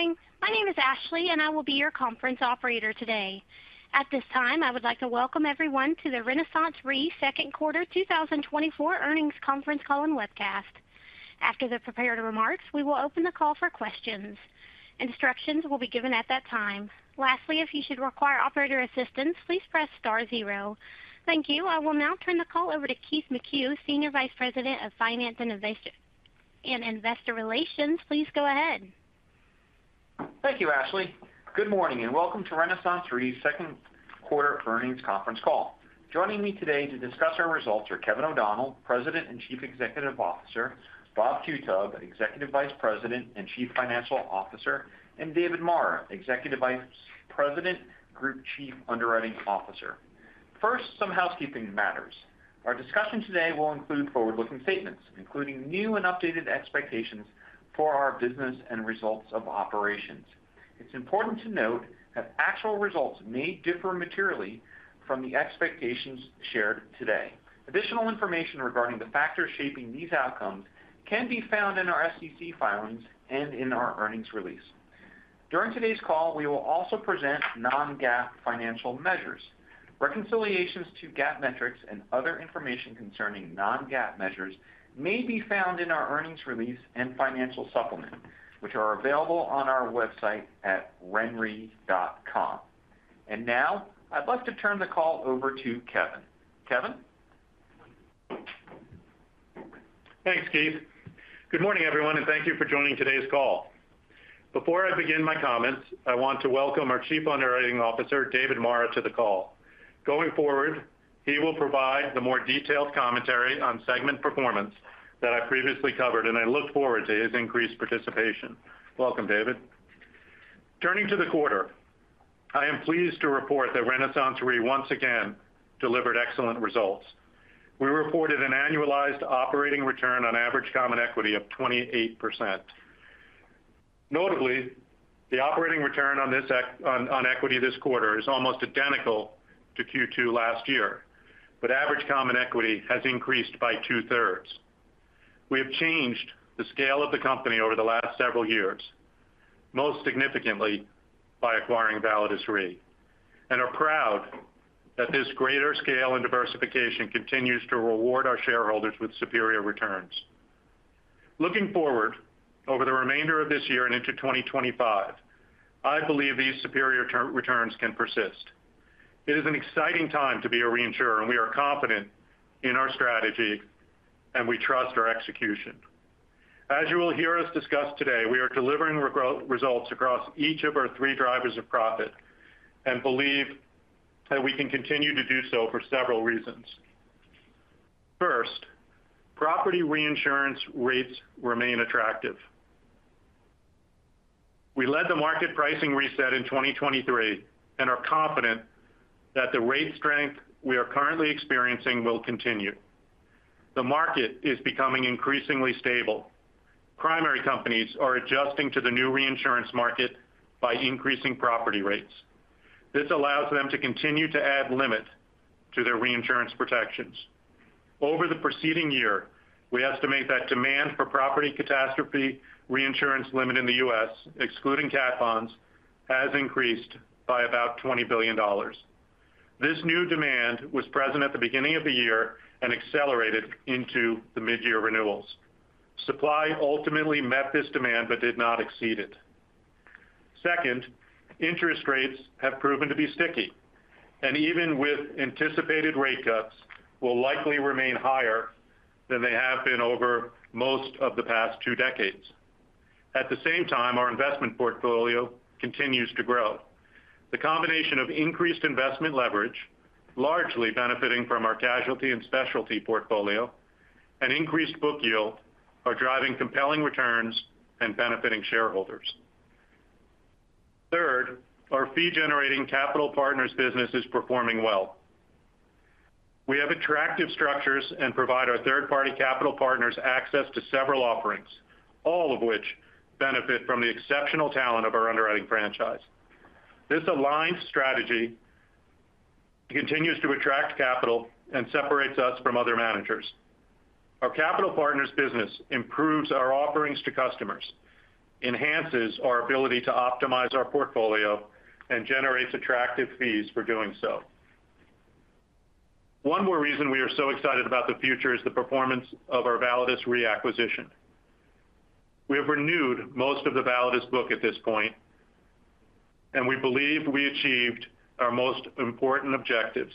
Good morning. My name is Ashley, and I will be your conference operator today. At this time, I would like to welcome everyone to the RenaissanceRe Second Quarter 2024 Earnings Conference Call and Webcast. After the prepared remarks, we will open the call for questions. Instructions will be given at that time. Lastly, if you should require operator assistance, please press star zero. Thank you. I will now turn the call over to Keith McCue, Senior Vice President of Finance and Investor Relations. Please go ahead. Thank you, Ashley. Good morning and welcome to RenaissanceRe Second Quarter Earnings Conference Call. Joining me today to discuss our results are Kevin O'Donnell, President and Chief Executive Officer, Bob Qutub, Executive Vice President and Chief Financial Officer, and David Marra, Executive Vice President, Group Chief Underwriting Officer. First, some housekeeping matters. Our discussion today will include forward-looking statements, including new and updated expectations for our business and results of operations. It's important to note that actual results may differ materially from the expectations shared today. Additional information regarding the factors shaping these outcomes can be found in our SEC filings and in our earnings release. During today's call, we will also present non-GAAP financial measures. Reconciliations to GAAP metrics and other information concerning non-GAAP measures may be found in our earnings release and financial supplement, which are available on our website at renre.com. Now, I'd like to turn the call over to Kevin. Kevin? Thanks, Keith. Good morning, everyone, and thank you for joining today's call. Before I begin my comments, I want to welcome our Chief Underwriting Officer, David Marra, to the call. Going forward, he will provide the more detailed commentary on segment performance that I've previously covered, and I look forward to his increased participation. Welcome, David. Turning to the quarter, I am pleased to report that RenaissanceRe once again delivered excellent results. We reported an annualized operating return on average common equity of 28%. Notably, the operating return on equity this quarter is almost identical to Q2 last year, but average common equity has increased by two-thirds. We have changed the scale of the company over the last several years, most significantly by acquiring Validus Re, and are proud that this greater scale and diversification continues to reward our shareholders with superior returns. Looking forward over the remainder of this year and into 2025, I believe these superior returns can persist. It is an exciting time to be a reinsurer, and we are confident in our strategy, and we trust our execution. As you will hear us discuss today, we are delivering results across each of our three drivers of profit and believe that we can continue to do so for several reasons. First, property reinsurance rates remain attractive. We led the market pricing reset in 2023 and are confident that the rate strength we are currently experiencing will continue. The market is becoming increasingly stable. Primary companies are adjusting to the new reinsurance market by increasing property rates. This allows them to continue to add limit to their reinsurance protections. Over the preceding year, we estimate that demand for Property Catastrophe reinsurance limit in the U.S., excluding cat bonds, has increased by about $20 billion. This new demand was present at the beginning of the year and accelerated into the mid-year renewals. Supply ultimately met this demand but did not exceed it. Second, interest rates have proven to be sticky, and even with anticipated rate cuts, will likely remain higher than they have been over most of the past two decades. At the same time, our investment portfolio continues to grow. The combination of increased investment leverage, largely benefiting from our casualty and specialty portfolio, and increased book yield are driving compelling returns and benefiting shareholders. Third, our fee-generating capital partners' business is performing well. We have attractive structures and provide our third-party capital partners access to several offerings, all of which benefit from the exceptional talent of our underwriting franchise. This aligned strategy continues to attract capital and separates us from other managers. Our capital partners' business improves our offerings to customers, enhances our ability to optimize our portfolio, and generates attractive fees for doing so. One more reason we are so excited about the future is the performance of our Validus Re acquisition. We have renewed most of the Validus book at this point, and we believe we achieved our most important objectives: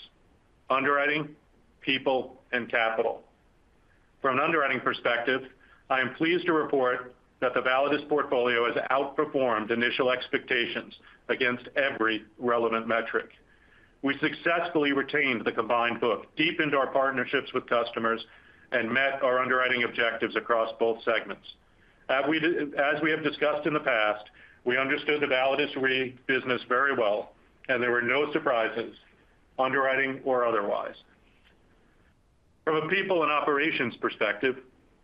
underwriting, people, and capital. From an underwriting perspective, I am pleased to report that the Validus portfolio has outperformed initial expectations against every relevant metric. We successfully retained the combined book, deepened our partnerships with customers, and met our underwriting objectives across both segments. As we have discussed in the past, we understood the Validus Re business very well, and there were no surprises, underwriting or otherwise. From a people and operations perspective,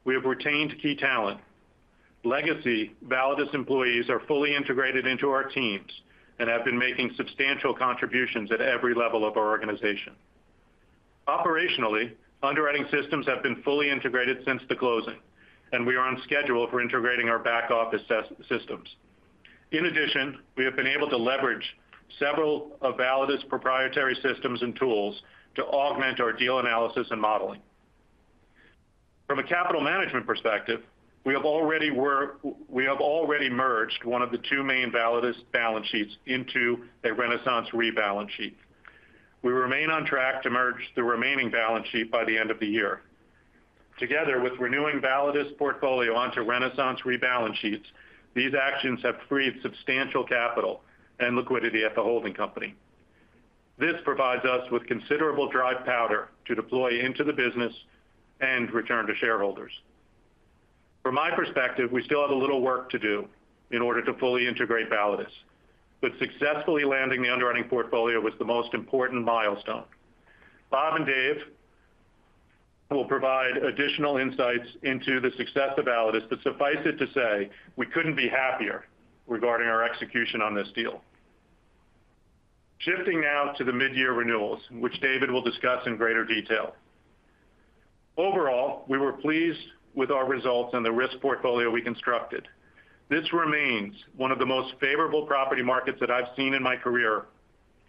we have retained key talent. Legacy Validus employees are fully integrated into our teams and have been making substantial contributions at every level of our organization. Operationally, underwriting systems have been fully integrated since the closing, and we are on schedule for integrating our back-office systems. In addition, we have been able to leverage several of Validus' proprietary systems and tools to augment our deal analysis and modeling. From a capital management perspective, we have already merged one of the two main Validus balance sheets into a RenaissanceRe balance sheet. We remain on track to merge the remaining balance sheet by the end of the year. Together with renewing Validus' portfolio onto RenaissanceRe balance sheets, these actions have freed substantial capital and liquidity at the holding company. This provides us with considerable dry powder to deploy into the business and return to shareholders. From my perspective, we still have a little work to do in order to fully integrate Validus, but successfully landing the underwriting portfolio was the most important milestone. Bob and Dave will provide additional insights into the success of Validus, but suffice it to say, we couldn't be happier regarding our execution on this deal. Shifting now to the mid-year renewals, which David will discuss in greater detail. Overall, we were pleased with our results and the risk portfolio we constructed. This remains one of the most favorable property markets that I've seen in my career,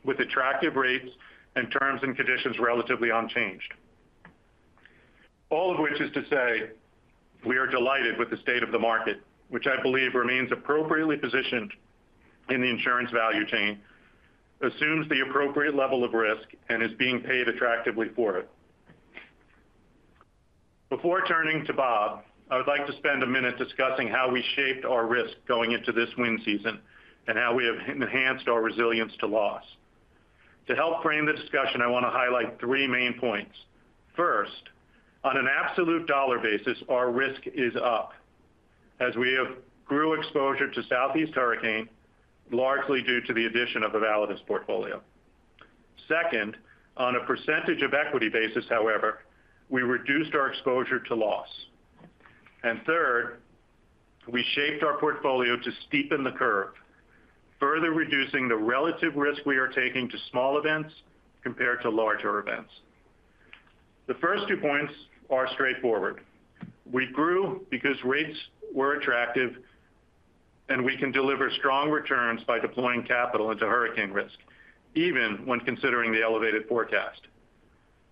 with attractive rates and terms and conditions relatively unchanged. All of which is to say, we are delighted with the state of the market, which I believe remains appropriately positioned in the insurance value chain, assumes the appropriate level of risk, and is being paid attractively for it. Before turning to Bob, I would like to spend a minute discussing how we shaped our risk going into this wind season and how we have enhanced our resilience to loss. To help frame the discussion, I want to highlight three main points. First, on an absolute dollar basis, our risk is up as we have grew exposure to Southeast hurricane, largely due to the addition of a Validus portfolio. Second, on a percentage of equity basis, however, we reduced our exposure to loss. And third, we shaped our portfolio to steepen the curve, further reducing the relative risk we are taking to small events compared to larger events. The first two points are straightforward. We grew because rates were attractive, and we can deliver strong returns by deploying capital into hurricane risk, even when considering the elevated forecast.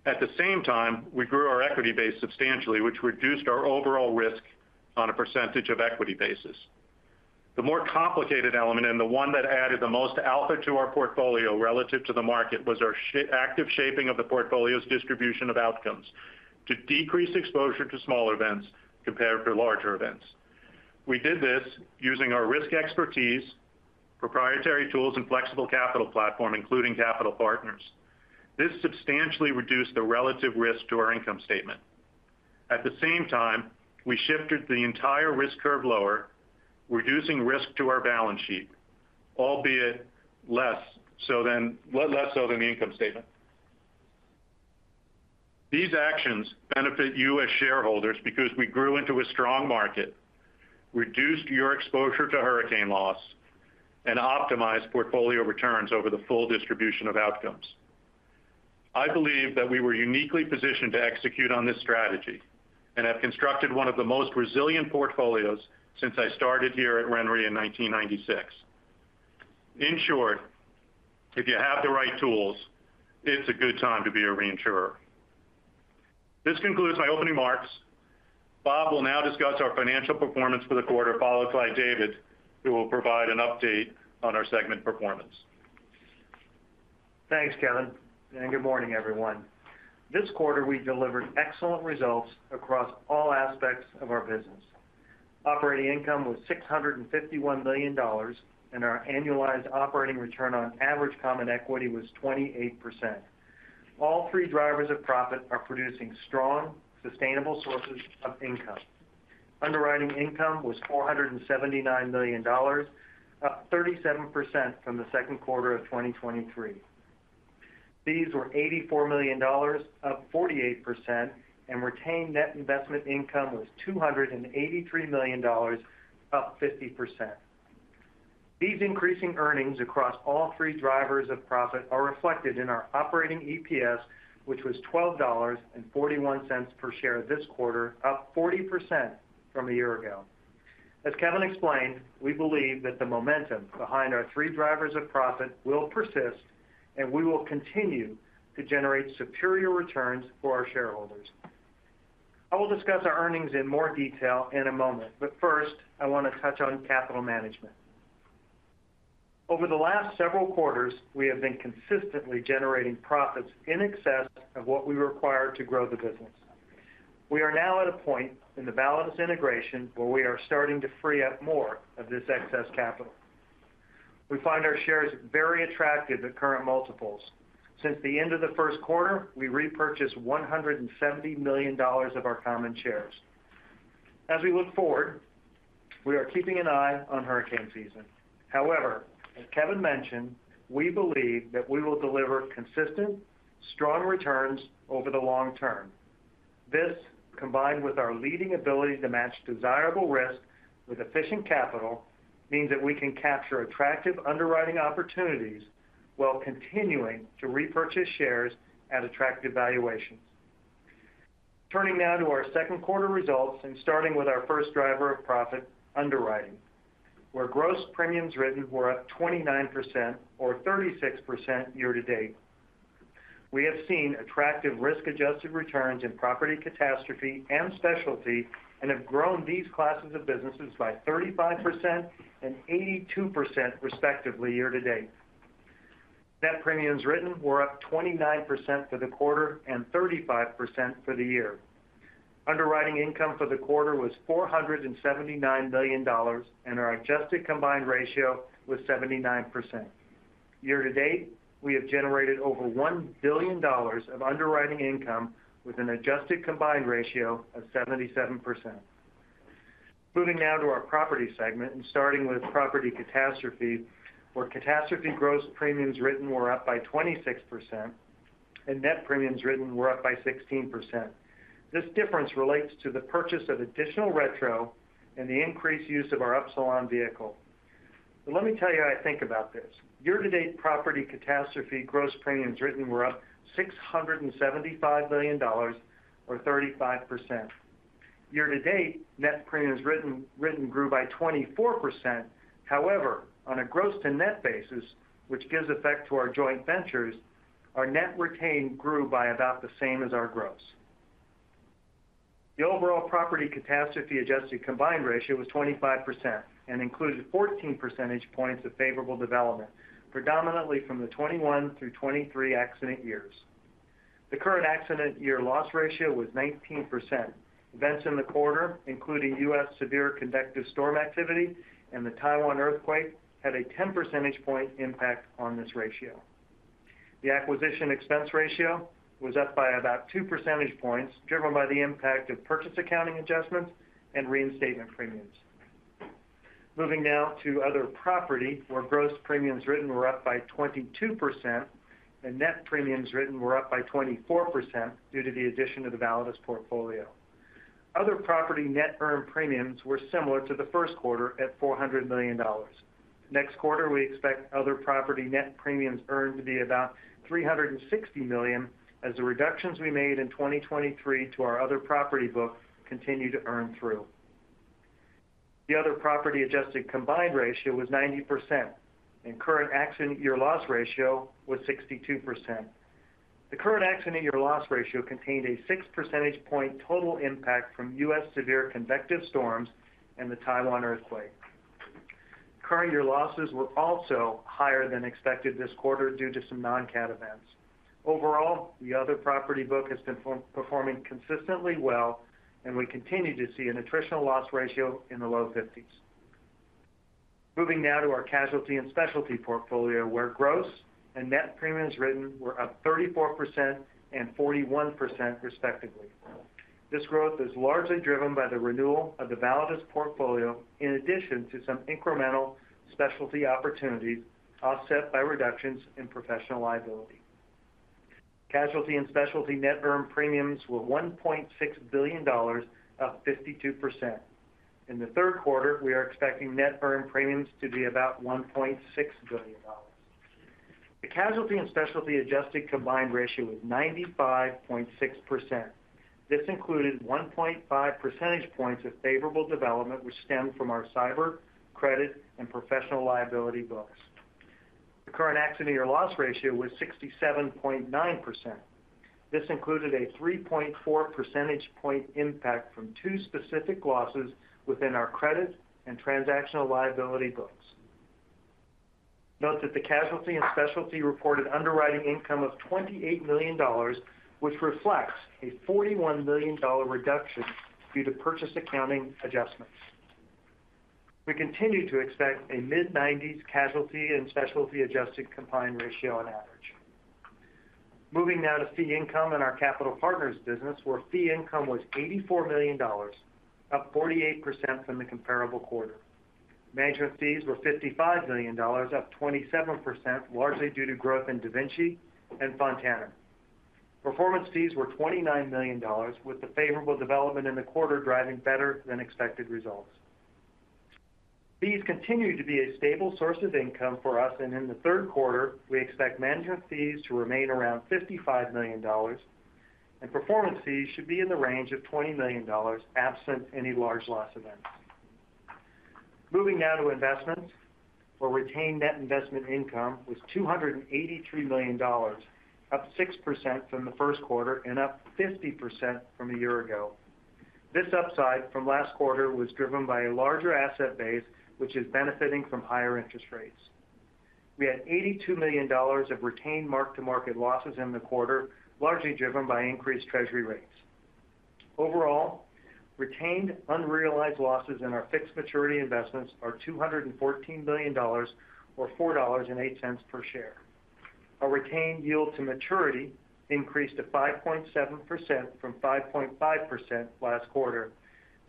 At the same time, we grew our equity base substantially, which reduced our overall risk on a percentage of equity basis. The more complicated element, and the one that added the most alpha to our portfolio relative to the market, was our active shaping of the portfolio's distribution of outcomes to decrease exposure to small events compared to larger events. We did this using our risk expertise, proprietary tools, and flexible capital platform, including capital partners. This substantially reduced the relative risk to our income statement. At the same time, we shifted the entire risk curve lower, reducing risk to our balance sheet, albeit less so than the income statement. These actions benefit you as shareholders because we grew into a strong market, reduced your exposure to hurricane loss, and optimized portfolio returns over the full distribution of outcomes. I believe that we were uniquely positioned to execute on this strategy and have constructed one of the most resilient portfolios since I started here at RenaissanceRe in 1996. In short, if you have the right tools, it's a good time to be a reinsurer. This concludes my opening remarks. Bob will now discuss our financial performance for the quarter, followed by David, who will provide an update on our segment performance. Thanks, Kevin. And good morning, everyone. This quarter, we delivered excellent results across all aspects of our business. Operating income was $651 million, and our annualized operating return on average common equity was 28%. All three drivers of profit are producing strong, sustainable sources of income. Underwriting income was $479 million, up 37% from the second quarter of 2023. Fees were $84 million, up 48%, and retained net investment income was $283 million, up 50%. These increasing earnings across all three drivers of profit are reflected in our operating EPS, which was $12.41 per share this quarter, up 40% from a year ago. As Kevin explained, we believe that the momentum behind our three drivers of profit will persist, and we will continue to generate superior returns for our shareholders. I will discuss our earnings in more detail in a moment, but first, I want to touch on capital management. Over the last several quarters, we have been consistently generating profits in excess of what we require to grow the business. We are now at a point in the Validus Integration where we are starting to free up more of this excess capital. We find our shares very attractive at current multiples. Since the end of the first quarter, we repurchased $170 million of our common shares. As we look forward, we are keeping an eye on hurricane season. However, as Kevin mentioned, we believe that we will deliver consistent, strong returns over the long term. This, combined with our leading ability to match desirable risk with efficient capital, means that we can capture attractive underwriting opportunities while continuing to repurchase shares at attractive valuations. Turning now to our second quarter results and starting with our first driver of profit, underwriting, where gross premiums written were up 29% or 36% year to date. We have seen attractive risk-adjusted returns in Property Catastrophe and specialty and have grown these classes of businesses by 35% and 82%, respectively, year to date. Net premiums written were up 29% for the quarter and 35% for the year. Underwriting income for the quarter was $479 million, and our adjusted combined ratio was 79%. Year to date, we have generated over $1 billion of underwriting income with an adjusted combined ratio of 77%. Moving now to our Property segment and starting with Property Catastrophe, where catastrophe gross premiums written were up by 26% and net premiums written were up by 16%. This difference relates to the purchase of additional retro and the increased use of our Upsilon vehicle. But let me tell you how I think about this. Year to date, Property Catastrophe gross premiums written were up $675 million or 35%. Year to date, net premiums written grew by 24%. However, on a gross-to-net basis, which gives effect to our joint ventures, our net retained grew by about the same as our gross. The overall Property Catastrophe adjusted combined ratio was 25% and included 14 percentage points of favorable development, predominantly from the 2021 through 2023 accident years. The current accident year loss ratio was 19%. Events in the quarter, including U.S. severe convective storm activity and the Taiwan earthquake, had a 10 percentage point impact on this ratio. The acquisition expense ratio was up by about 2 percentage points, driven by the impact of purchase accounting adjustments and reinstatement premiums. Moving now to Other Property, where gross premiums written were up by 22% and net premiums written were up by 24% due to the addition of the Validus portfolio. Other property net earned premiums were similar to the first quarter at $400 million. Next quarter, we expect other property net premiums earned to be about $360 million as the reductions we made in 2023 to our other property book continue to earn through. The other property adjusted combined ratio was 90%, and current accident year loss ratio was 62%. The current accident year loss ratio contained a 6 percentage point total impact from U.S. severe convective storms and the Taiwan earthquake. Current year losses were also higher than expected this quarter due to some non-cat events. Overall, the other property book has been performing consistently well, and we continue to see an attritional loss ratio in the low 50s. Moving now to our Casualty and Specialty portfolio, where gross and net premiums written were up 34% and 41%, respectively. This growth is largely driven by the renewal of the Validus portfolio, in addition to some incremental specialty opportunities offset by reductions in professional liability. Casualty and Specialty net earned premiums were $1.6 billion, up 52%. In the third quarter, we are expecting net earned premiums to be about $1.6 billion. The Casualty and Specialty adjusted combined ratio was 95.6%. This included 1.5 percentage points of favorable development, which stemmed from our cyber, credit, and professional liability books. The current accident year loss ratio was 67.9%. This included a 3.4 percentage point impact from two specific losses within our credit and transactional liability books. Note that the Casualty and Specialty reported underwriting income of $28 million, which reflects a $41 million reduction due to purchase accounting adjustments. We continue to expect a mid-90s Casualty and Specialty adjusted combined ratio on average. Moving now to fee income in our Capital Partners' business, where fee income was $84 million, up 48% from the comparable quarter. Management fees were $55 million, up 27%, largely due to growth in DaVinci and Fontana. Performance fees were $29 million, with the favorable development in the quarter driving better than expected results. Fees continue to be a stable source of income for us, and in the third quarter, we expect management fees to remain around $55 million, and performance fees should be in the range of $20 million absent any large loss events. Moving now to Investments, where retained net investment income was $283 million, up 6% from the first quarter and up 50% from a year ago. This upside from last quarter was driven by a larger asset base, which is benefiting from higher interest rates. We had $82 million of retained mark-to-market losses in the quarter, largely driven by increased treasury rates. Overall, retained unrealized losses in our fixed maturity investments are $214 million, or $4.08 per share. Our retained yield to maturity increased to 5.7% from 5.5% last quarter,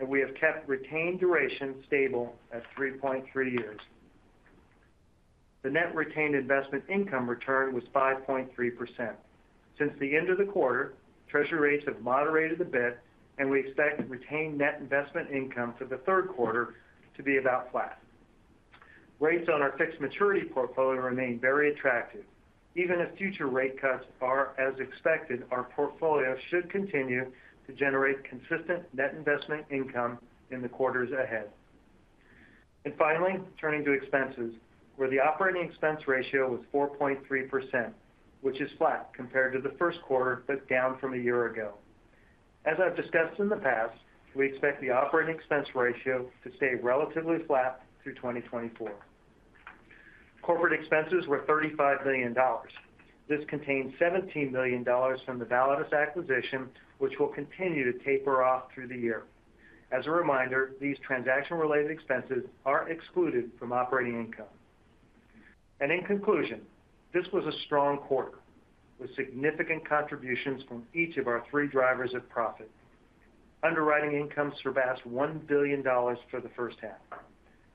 and we have kept retained duration stable at 3.3 years. The net retained investment income return was 5.3%. Since the end of the quarter, treasury rates have moderated a bit, and we expect retained net investment income for the third quarter to be about flat. Rates on our fixed maturity portfolio remain very attractive. Even if future rate cuts are as expected, our portfolio should continue to generate consistent net investment income in the quarters ahead. And finally, turning to Expenses, where the operating expense ratio was 4.3%, which is flat compared to the first quarter, but down from a year ago. As I've discussed in the past, we expect the operating expense ratio to stay relatively flat through 2024. Corporate expenses were $35 million. This contained $17 million from the Validus acquisition, which will continue to taper off through the year. As a reminder, these transaction-related expenses are excluded from operating income. And in conclusion, this was a strong quarter with significant contributions from each of our three drivers of profit. Underwriting income surpassed $1 billion for the first half.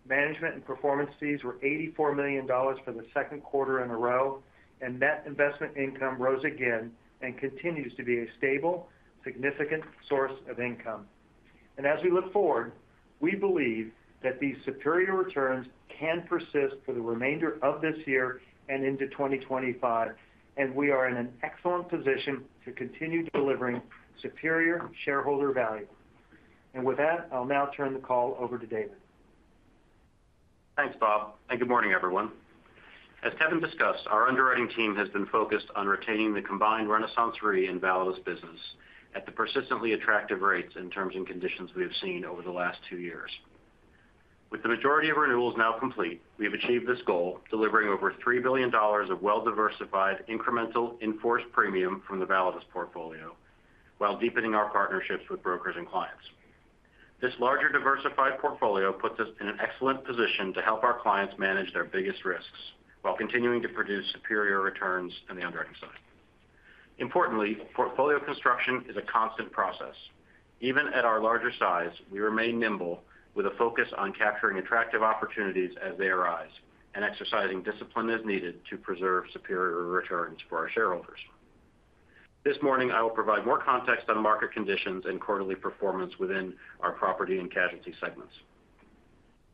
Management and performance fees were $84 million for the second quarter in a row, and net investment income rose again and continues to be a stable, significant source of income. As we look forward, we believe that these superior returns can persist for the remainder of this year and into 2025, and we are in an excellent position to continue delivering superior shareholder value. With that, I'll now turn the call over to David. Thanks, Bob. Good morning, everyone. As Kevin discussed, our underwriting team has been focused on retaining the combined RenaissanceRe and Validus business at the persistently attractive rates and terms and conditions we have seen over the last two years. With the majority of renewals now complete, we have achieved this goal, delivering over $3 billion of well-diversified incremental in-force premium from the Validus portfolio while deepening our partnerships with brokers and clients. This larger diversified portfolio puts us in an excellent position to help our clients manage their biggest risks while continuing to produce superior returns on the underwriting side. Importantly, portfolio construction is a constant process. Even at our larger size, we remain nimble with a focus on capturing attractive opportunities as they arise and exercising discipline as needed to preserve superior returns for our shareholders. This morning, I will provide more context on market conditions and quarterly performance within our Property and Casualty segments.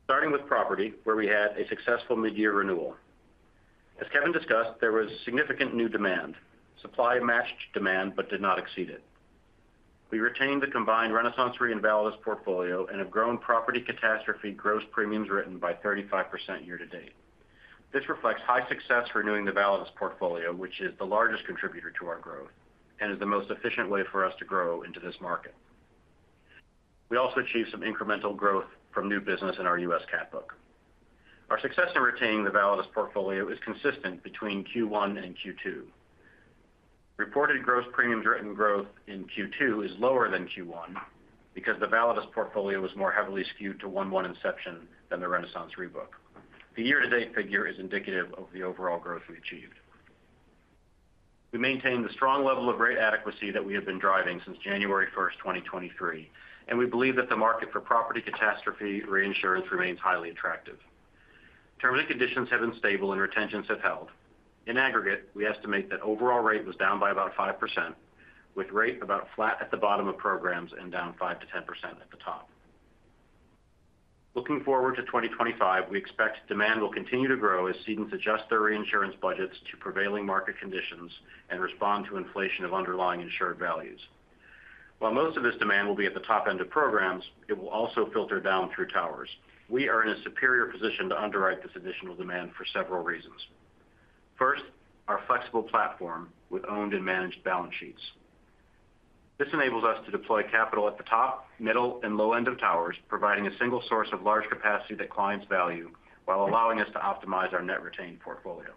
Starting with property, where we had a successful mid-year renewal. As Kevin discussed, there was significant new demand. Supply matched demand but did not exceed it. We retained the combined RenaissanceRe and Validus portfolio and have grown Property Catastrophe gross premiums written by 35% year to date. This reflects high success renewing the Validus portfolio, which is the largest contributor to our growth and is the most efficient way for us to grow into this market. We also achieved some incremental growth from new business in our U.S. cat book. Our success in retaining the Validus portfolio is consistent between Q1 and Q2. Reported gross premiums written growth in Q2 is lower than Q1 because the Validus portfolio was more heavily skewed to 1/1 inception than the RenaissanceRe book. The year-to-date figure is indicative of the overall growth we achieved. We maintain the strong level of rate adequacy that we have been driving since January 1, 2023, and we believe that the market for Property Catastrophe reinsurance remains highly attractive. Terms and conditions have been stable, and retentions have held. In aggregate, we estimate that overall rate was down by about 5%, with rate about flat at the bottom of programs and down 5%-10% at the top. Looking forward to 2025, we expect demand will continue to grow as cedents adjust their reinsurance budgets to prevailing market conditions and respond to inflation of underlying insured values. While most of this demand will be at the top end of programs, it will also filter down through towers. We are in a superior position to underwrite this additional demand for several reasons. First, our flexible platform with owned and managed balance sheets. This enables us to deploy capital at the top, middle, and low end of towers, providing a single source of large capacity that clients value while allowing us to optimize our net retained portfolio.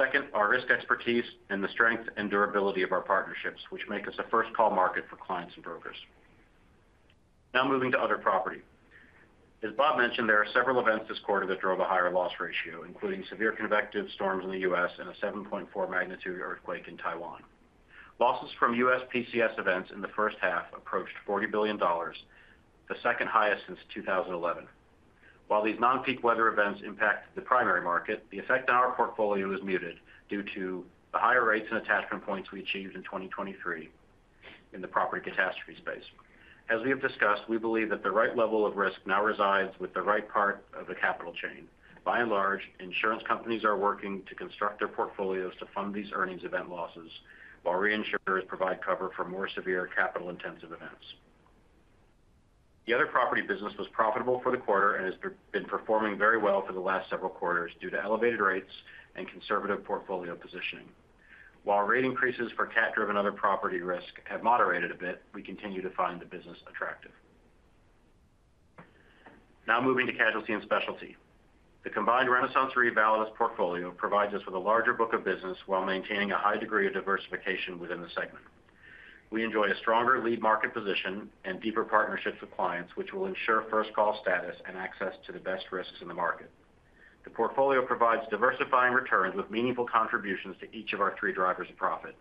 Second, our risk expertise and the strength and durability of our partnerships, which make us a first-call market for clients and brokers. Now moving to other property. As Bob mentioned, there are several events this quarter that drove a higher loss ratio, including severe convective storms in the U.S. and a 7.4 magnitude earthquake in Taiwan. Losses from U.S. PCS events in the first half approached $40 billion, the second highest since 2011. While these non-peak weather events impact the primary market, the effect on our portfolio is muted due to the higher rates and attachment points we achieved in 2023 in the Property Catastrophe space. As we have discussed, we believe that the right level of risk now resides with the right part of the capital chain. By and large, insurance companies are working to construct their portfolios to fund these earnings event losses, while reinsurers provide cover for more severe capital-intensive events. The other property business was profitable for the quarter and has been performing very well for the last several quarters due to elevated rates and conservative portfolio positioning. While rate increases for cat-driven other property risk have moderated a bit, we continue to find the business attractive. Now moving to casualty and specialty. The combined RenaissanceRe Validus portfolio provides us with a larger book of business while maintaining a high degree of diversification within the segment. We enjoy a stronger lead market position and deeper partnerships with clients, which will ensure first-call status and access to the best risks in the market. The portfolio provides diversifying returns with meaningful contributions to each of our three drivers of profit: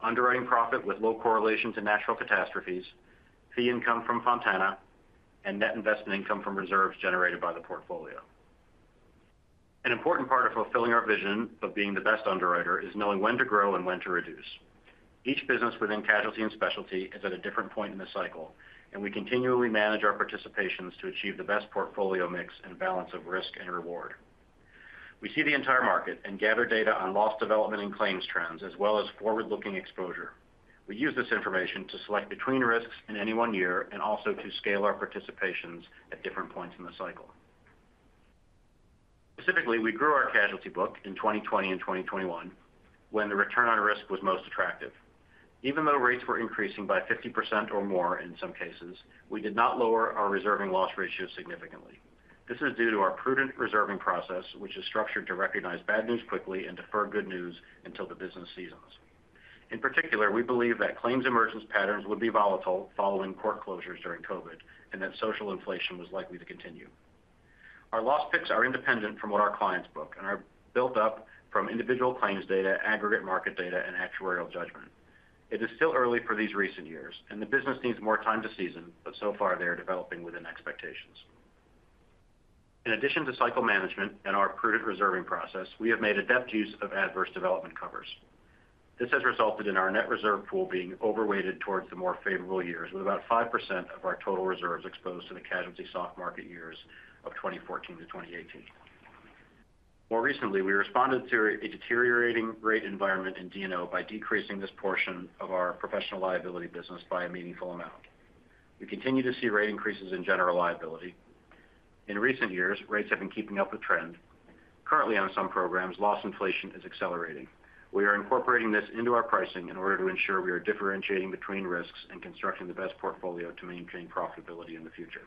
underwriting profit with low correlation to natural catastrophes, fee income from Fontana, and net investment income from reserves generated by the portfolio. An important part of fulfilling our vision of being the best underwriter is knowing when to grow and when to reduce. Each business within Casualty and Specialty is at a different point in the cycle, and we continually manage our participations to achieve the best portfolio mix and balance of risk and reward. We see the entire market and gather data on loss development and claims trends, as well as forward-looking exposure. We use this information to select between risks in any one year and also to scale our participations at different points in the cycle. Specifically, we grew our casualty book in 2020 and 2021 when the return on risk was most attractive. Even though rates were increasing by 50% or more in some cases, we did not lower our reserving loss ratio significantly. This is due to our prudent reserving process, which is structured to recognize bad news quickly and defer good news until the business seasons. In particular, we believe that claims emergence patterns would be volatile following court closures during COVID and that social inflation was likely to continue. Our loss picks are independent from what our clients book and are built up from individual claims data, aggregate market data, and actuarial judgment. It is still early for these recent years, and the business needs more time to season, but so far they are developing within expectations. In addition to cycle management and our prudent reserving process, we have made adept use of adverse development covers. This has resulted in our net reserve pool being overweighted towards the more favorable years, with about 5% of our total reserves exposed to the casualty soft market years of 2014 to 2018. More recently, we responded to a deteriorating rate environment in D&O by decreasing this portion of our Professional Liability business by a meaningful amount. We continue to see rate increases in general liability. In recent years, rates have been keeping up the trend. Currently, on some programs, loss inflation is accelerating. We are incorporating this into our pricing in order to ensure we are differentiating between risks and constructing the best portfolio to maintain profitability in the future.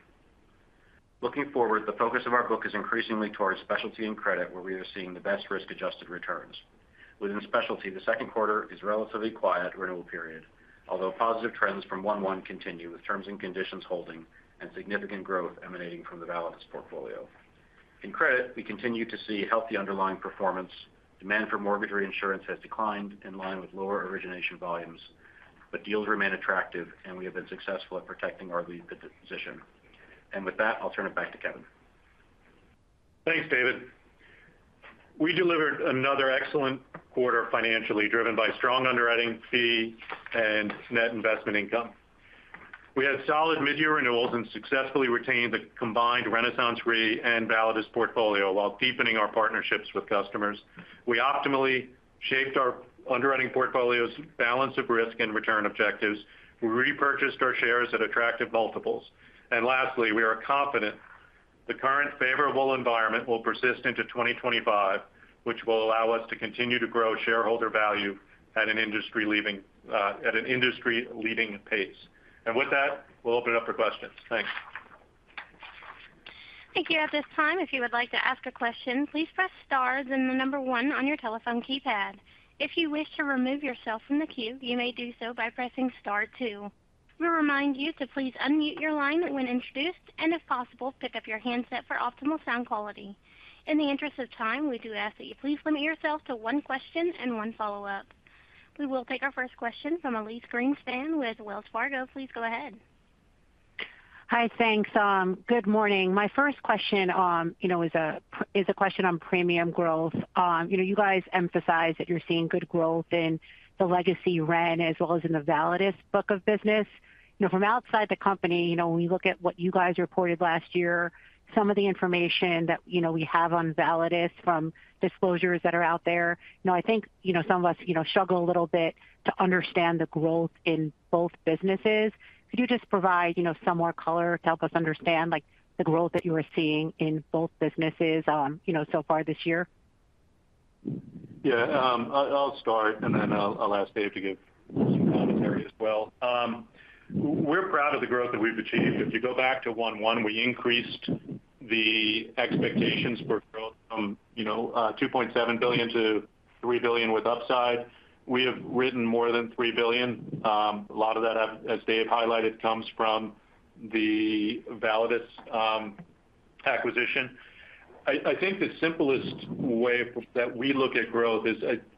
Looking forward, the focus of our book is increasingly towards specialty and credit, where we are seeing the best risk-adjusted returns. Within specialty, the second quarter is a relatively quiet renewal period, although positive trends from 1/1 continue with terms and conditions holding and significant growth emanating from the Validus portfolio. In credit, we continue to see healthy underlying performance. Demand for mortgage reinsurance has declined in line with lower origination volumes, but deals remain attractive, and we have been successful at protecting our lead position. And with that, I'll turn it back to Kevin. Thanks, David. We delivered another excellent quarter financially driven by strong underwriting fee and net investment income. We had solid mid-year renewals and successfully retained the combined RenaissanceRe and Validus portfolio while deepening our partnerships with customers. We optimally shaped our underwriting portfolio's balance of risk and return objectives. We repurchased our shares at attractive multiples. Lastly, we are confident the current favorable environment will persist into 2025, which will allow us to continue to grow shareholder value at an industry-leading pace. With that, we'll open it up for questions. Thanks. Thank you. At this time, if you would like to ask a question, please press stars and the number one on your telephone keypad. If you wish to remove yourself from the queue, you may do so by pressing star two. We'll remind you to please unmute your line when introduced and, if possible, pick up your handset for optimal sound quality. In the interest of time, we do ask that you please limit yourself to one question and one follow-up. We will take our first question from Elyse Greenspan with Wells Fargo. Please go ahead. Hi, thanks. Good morning. My first question is a question on premium growth. You guys emphasize that you're seeing good growth in the legacy Ren as well as in the Validus book of business. From outside the company, when we look at what you guys reported last year, some of the information that we have on Validus from disclosures that are out there, I think some of us struggle a little bit to understand the growth in both businesses. Could you just provide some more color to help us understand the growth that you are seeing in both businesses so far this year? Yeah, I'll start, and then I'll ask Dave to give some commentary as well. We're proud of the growth that we've achieved. If you go back to 1/1, we increased the expectations for growth from $2.7 billion to $3 billion with upside. We have written more than $3 billion. A lot of that, as Dave highlighted, comes from the Validus acquisition. I think the simplest way that we look at growth is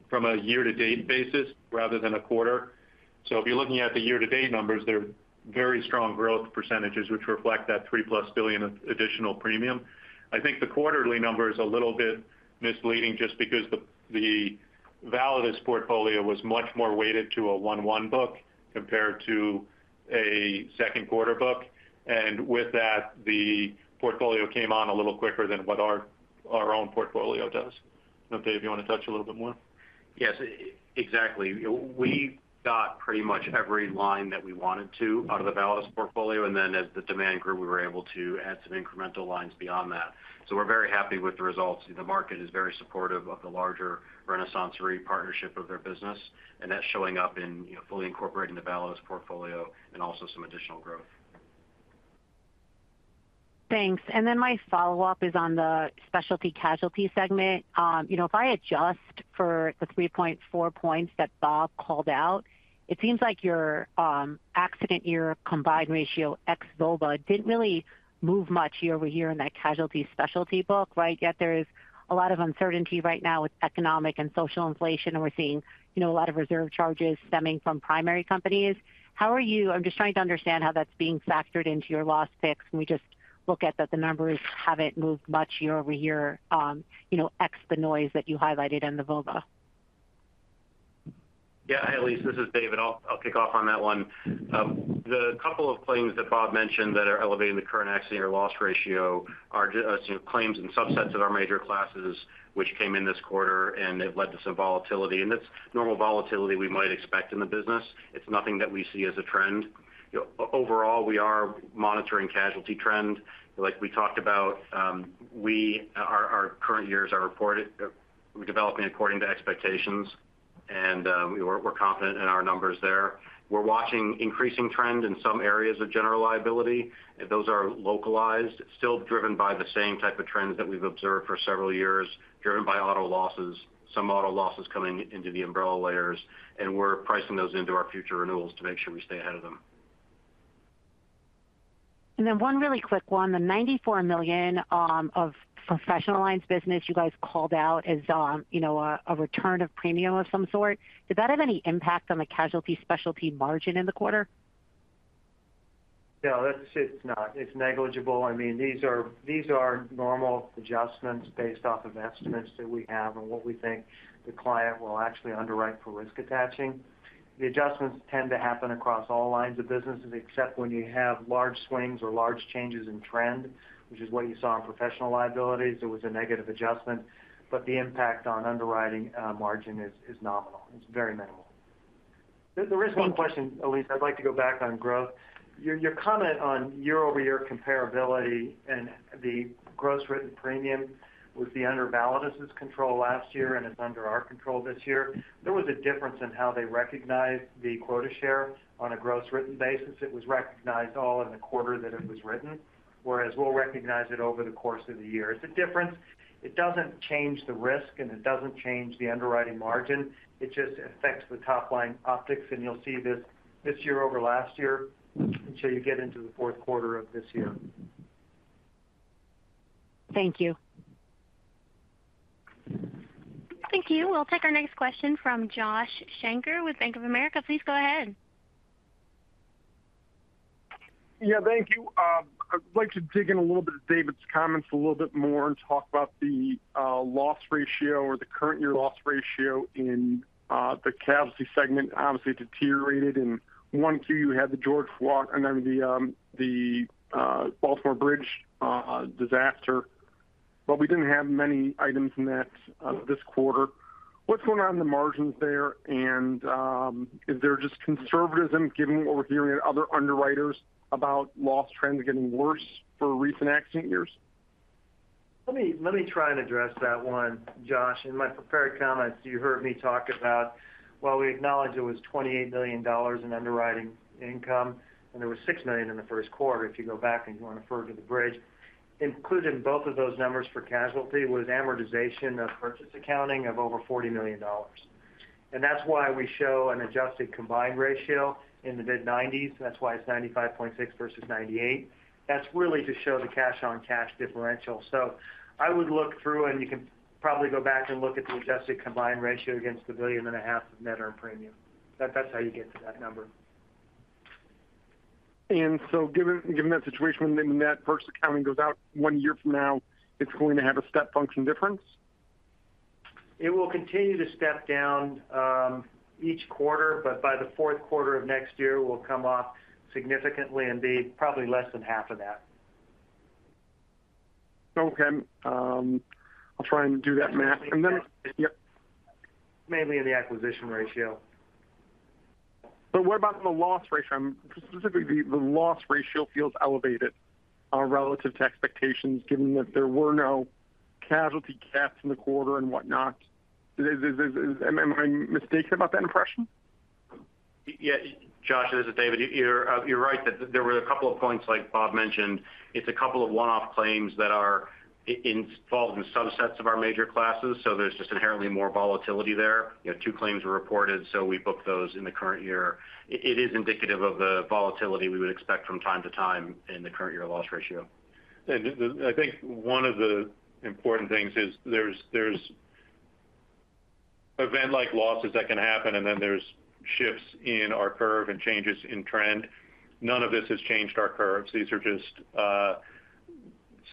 from a year-to-date basis rather than a quarter. So if you're looking at the year-to-date numbers, they're very strong growth percentages, which reflect that $3+ billion additional premium. I think the quarterly number is a little bit misleading just because the Validus portfolio was much more weighted to a 1/1 book compared to a second quarter book. And with that, the portfolio came on a little quicker than what our own portfolio does. Dave, do you want to touch a little bit more? Yes, exactly. We got pretty much every line that we wanted to out of the Validus portfolio. And then, as the demand grew, we were able to add some incremental lines beyond that. So we're very happy with the results. The market is very supportive of the larger RenaissanceRe partnership of their business, and that's showing up in fully incorporating the Validus portfolio and also some additional growth. Thanks. Then my follow-up is on the specialty casualty segment. If I adjust for the 3.4 points that Bob called out, it seems like your accident-year combined ratio ex-Validus didn't really move much year-over-year in that casualty specialty book, right? Yet there's a lot of uncertainty right now with economic and social inflation, and we're seeing a lot of reserve charges stemming from primary companies. How are you? I'm just trying to understand how that's being factored into your loss picks when we just look at that the numbers haven't moved much year-over-year ex the noise that you highlighted in the Validus. Yeah, hi, Elise. This is David. I'll kick off on that one. The couple of claims that Bob mentioned that are elevating the current accident-year loss ratio are claims in subsets of our major classes, which came in this quarter, and they've led to some volatility. And that's normal volatility we might expect in the business. It's nothing that we see as a trend. Overall, we are monitoring casualty trend. Like we talked about, our current years are developing according to expectations, and we're confident in our numbers there. We're watching increasing trend in some areas of general liability. Those are localized, still driven by the same type of trends that we've observed for several years, driven by auto losses, some auto losses coming into the umbrella layers, and we're pricing those into our future renewals to make sure we stay ahead of them. Then one really quick one. The $94 million of professional lines business you guys called out is a return of premium of some sort. Did that have any impact on the casualty specialty margin in the quarter? No, it's negligible. I mean, these are normal adjustments based off of estimates that we have and what we think the client will actually underwrite for risk attaching. The adjustments tend to happen across all lines of business, except when you have large swings or large changes in trend, which is what you saw in professional liabilities. There was a negative adjustment, but the impact on underwriting margin is nominal. It's very minimal. There is one question, Elise. I'd like to go back on growth. Your comment on year-over-year comparability and the gross written premium was under Validus's control last year, and it's under our control this year. There was a difference in how they recognized the quota share on a gross written basis. It was recognized all in the quarter that it was written, whereas we'll recognize it over the course of the year. It's a difference. It doesn't change the risk, and it doesn't change the underwriting margin. It just affects the top-line optics, and you'll see this year over last year until you get into the fourth quarter of this year. Thank you. Thank you. We'll take our next question from Josh Shanker with Bank of America. Please go ahead. Yeah, thank you. I'd like to dig in a little bit at David's comments a little bit more and talk about the loss ratio or the current-year loss ratio in the casualty segment. Obviously, it deteriorated. In 1Q, you had the George Floyd and then the Baltimore Bridge disaster, but we didn't have many items in that this quarter. What's going on in the margins there, and is there just conservatism given what we're hearing at other underwriters about loss trends getting worse for recent accident years? Let me try and address that one, Josh. In my prepared comments, you heard me talk about, while we acknowledge it was $28 million in underwriting income, and there was $6 million in the first quarter if you go back and you want to refer to the bridge. Included in both of those numbers for casualty was amortization of purchase accounting of over $40 million. And that's why we show an adjusted combined ratio in the mid-90s. That's why it's 95.6% versus 98%. That's really to show the cash-on-cash differential. So I would look through, and you can probably go back and look at the adjusted combined ratio against the $1.5 billion of net earned premium. That's how you get to that number. Given that situation, when that purchase accounting goes out one year from now, it's going to have a step function difference? It will continue to step down each quarter, but by the fourth quarter of next year, it will come off significantly and be probably less than half of that. Okay. I'll try and do that math. And then. Mainly in the acquisition ratio. What about the loss ratio? Specifically, the loss ratio feels elevated relative to expectations given that there were no casualty caps in the quarter and whatnot. Am I mistaken about that impression? Yeah, Josh, this is David. You're right that there were a couple of points, like Bob mentioned. It's a couple of one-off claims that are involved in subsets of our major classes, so there's just inherently more volatility there. Two claims were reported, so we booked those in the current year. It is indicative of the volatility we would expect from time to time in the current-year loss ratio. I think one of the important things is there's event-like losses that can happen, and then there's shifts in our curve and changes in trend. None of this has changed our curve. These are just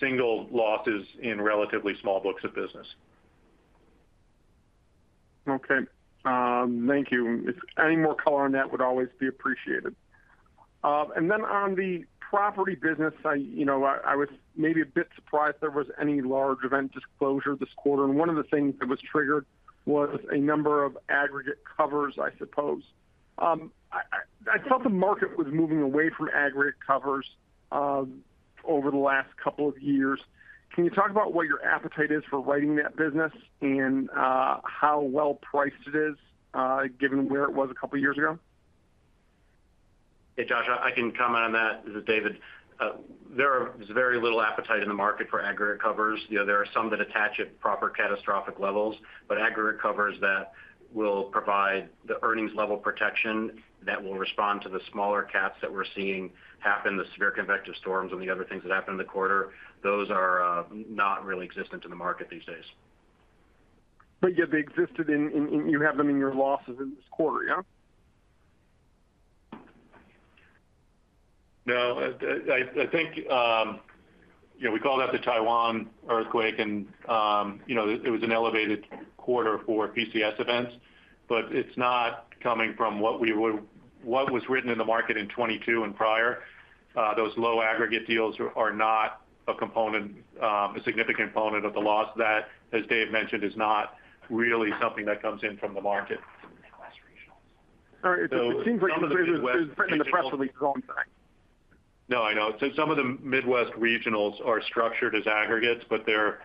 single losses in relatively small books of business. Okay. Thank you. Any more color on that would always be appreciated. And then on the property business, I was maybe a bit surprised there was any large event disclosure this quarter. And one of the things that was triggered was a number of aggregate covers, I suppose. I felt the market was moving away from aggregate covers over the last couple of years. Can you talk about what your appetite is for writing that business and how well priced it is given where it was a couple of years ago? Yeah, Josh, I can comment on that. This is David. There is very little appetite in the market for aggregate covers. There are some that attach at proper catastrophic levels, but aggregate covers that will provide the earnings-level protection that will respond to the smaller cats that we're seeing happen, the severe convective storms and the other things that happened in the quarter, those are not really existent in the market these days. But yet they existed. You have them in your losses in this quarter, yeah? No. I think we call that the Taiwan earthquake, and it was an elevated quarter for PCS events, but it's not coming from what was written in the market in 2022 and prior. Those low aggregate deals are not a significant component of the loss. That, as Dave mentioned, is not really something that comes in from the market. All right. It seems like some of the Midwest. No, I know. So some of the Midwest regionals are structured as aggregates, but they're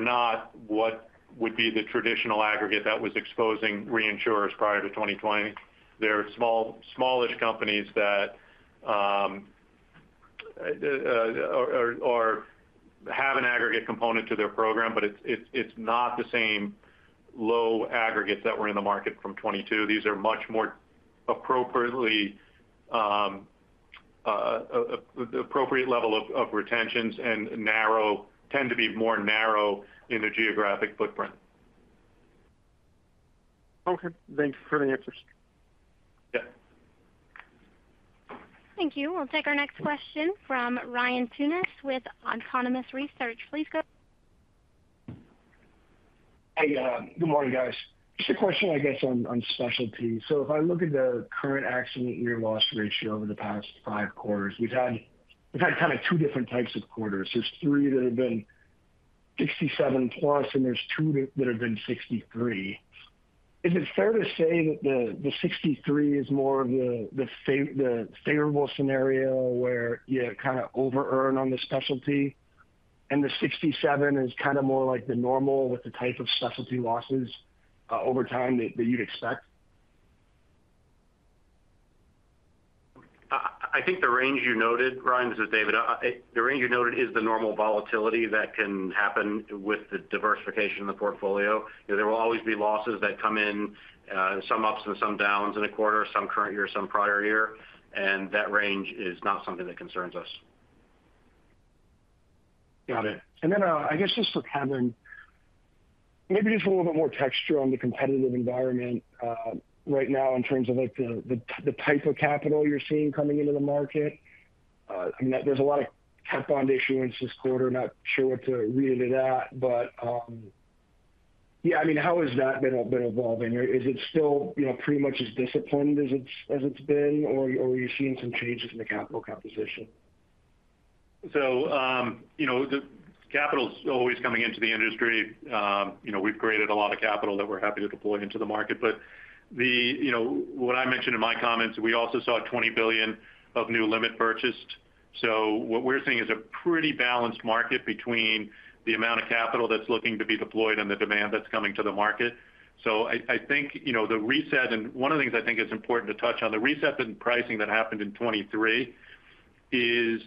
not what would be the traditional aggregate that was exposing reinsurers prior to 2020. They're smallish companies that have an aggregate component to their program, but it's not the same low aggregates that were in the market from 2022. These are much more appropriate level of retentions and tend to be more narrow in the geographic footprint. Okay. Thank you for the answers. Yeah. Thank you. We'll take our next question from Ryan Tunis with Autonomous Research. Please go. Hey, good morning, guys. Just a question, I guess, on specialty. So if I look at the current accident-year loss ratio over the past five quarters, we've had kind of two different types of quarters. There's three that have been 67+, and there's two that have been 63. Is it fair to say that the 63 is more of the favorable scenario where you kind of over-earn on the specialty, and the 67 is kind of more like the normal with the type of specialty losses over time that you'd expect? I think the range you noted, Ryan (this is David), the range you noted is the normal volatility that can happen with the diversification of the portfolio. There will always be losses that come in, some ups and some downs in a quarter, some current year, some prior year, and that range is not something that concerns us. Got it. And then I guess just for Kevin, maybe just a little bit more texture on the competitive environment right now in terms of the type of capital you're seeing coming into the market. I mean, there's a lot of cat bond issues this quarter. Not sure what to read it at, but yeah, I mean, how has that been evolving? Is it still pretty much as disciplined as it's been, or are you seeing some changes in the capital composition? So capital's always coming into the industry. We've created a lot of capital that we're happy to deploy into the market. But what I mentioned in my comments, we also saw $20 billion of new limit purchased. So what we're seeing is a pretty balanced market between the amount of capital that's looking to be deployed and the demand that's coming to the market. So I think the reset, and one of the things I think it's important to touch on, the reset in pricing that happened in 2023 is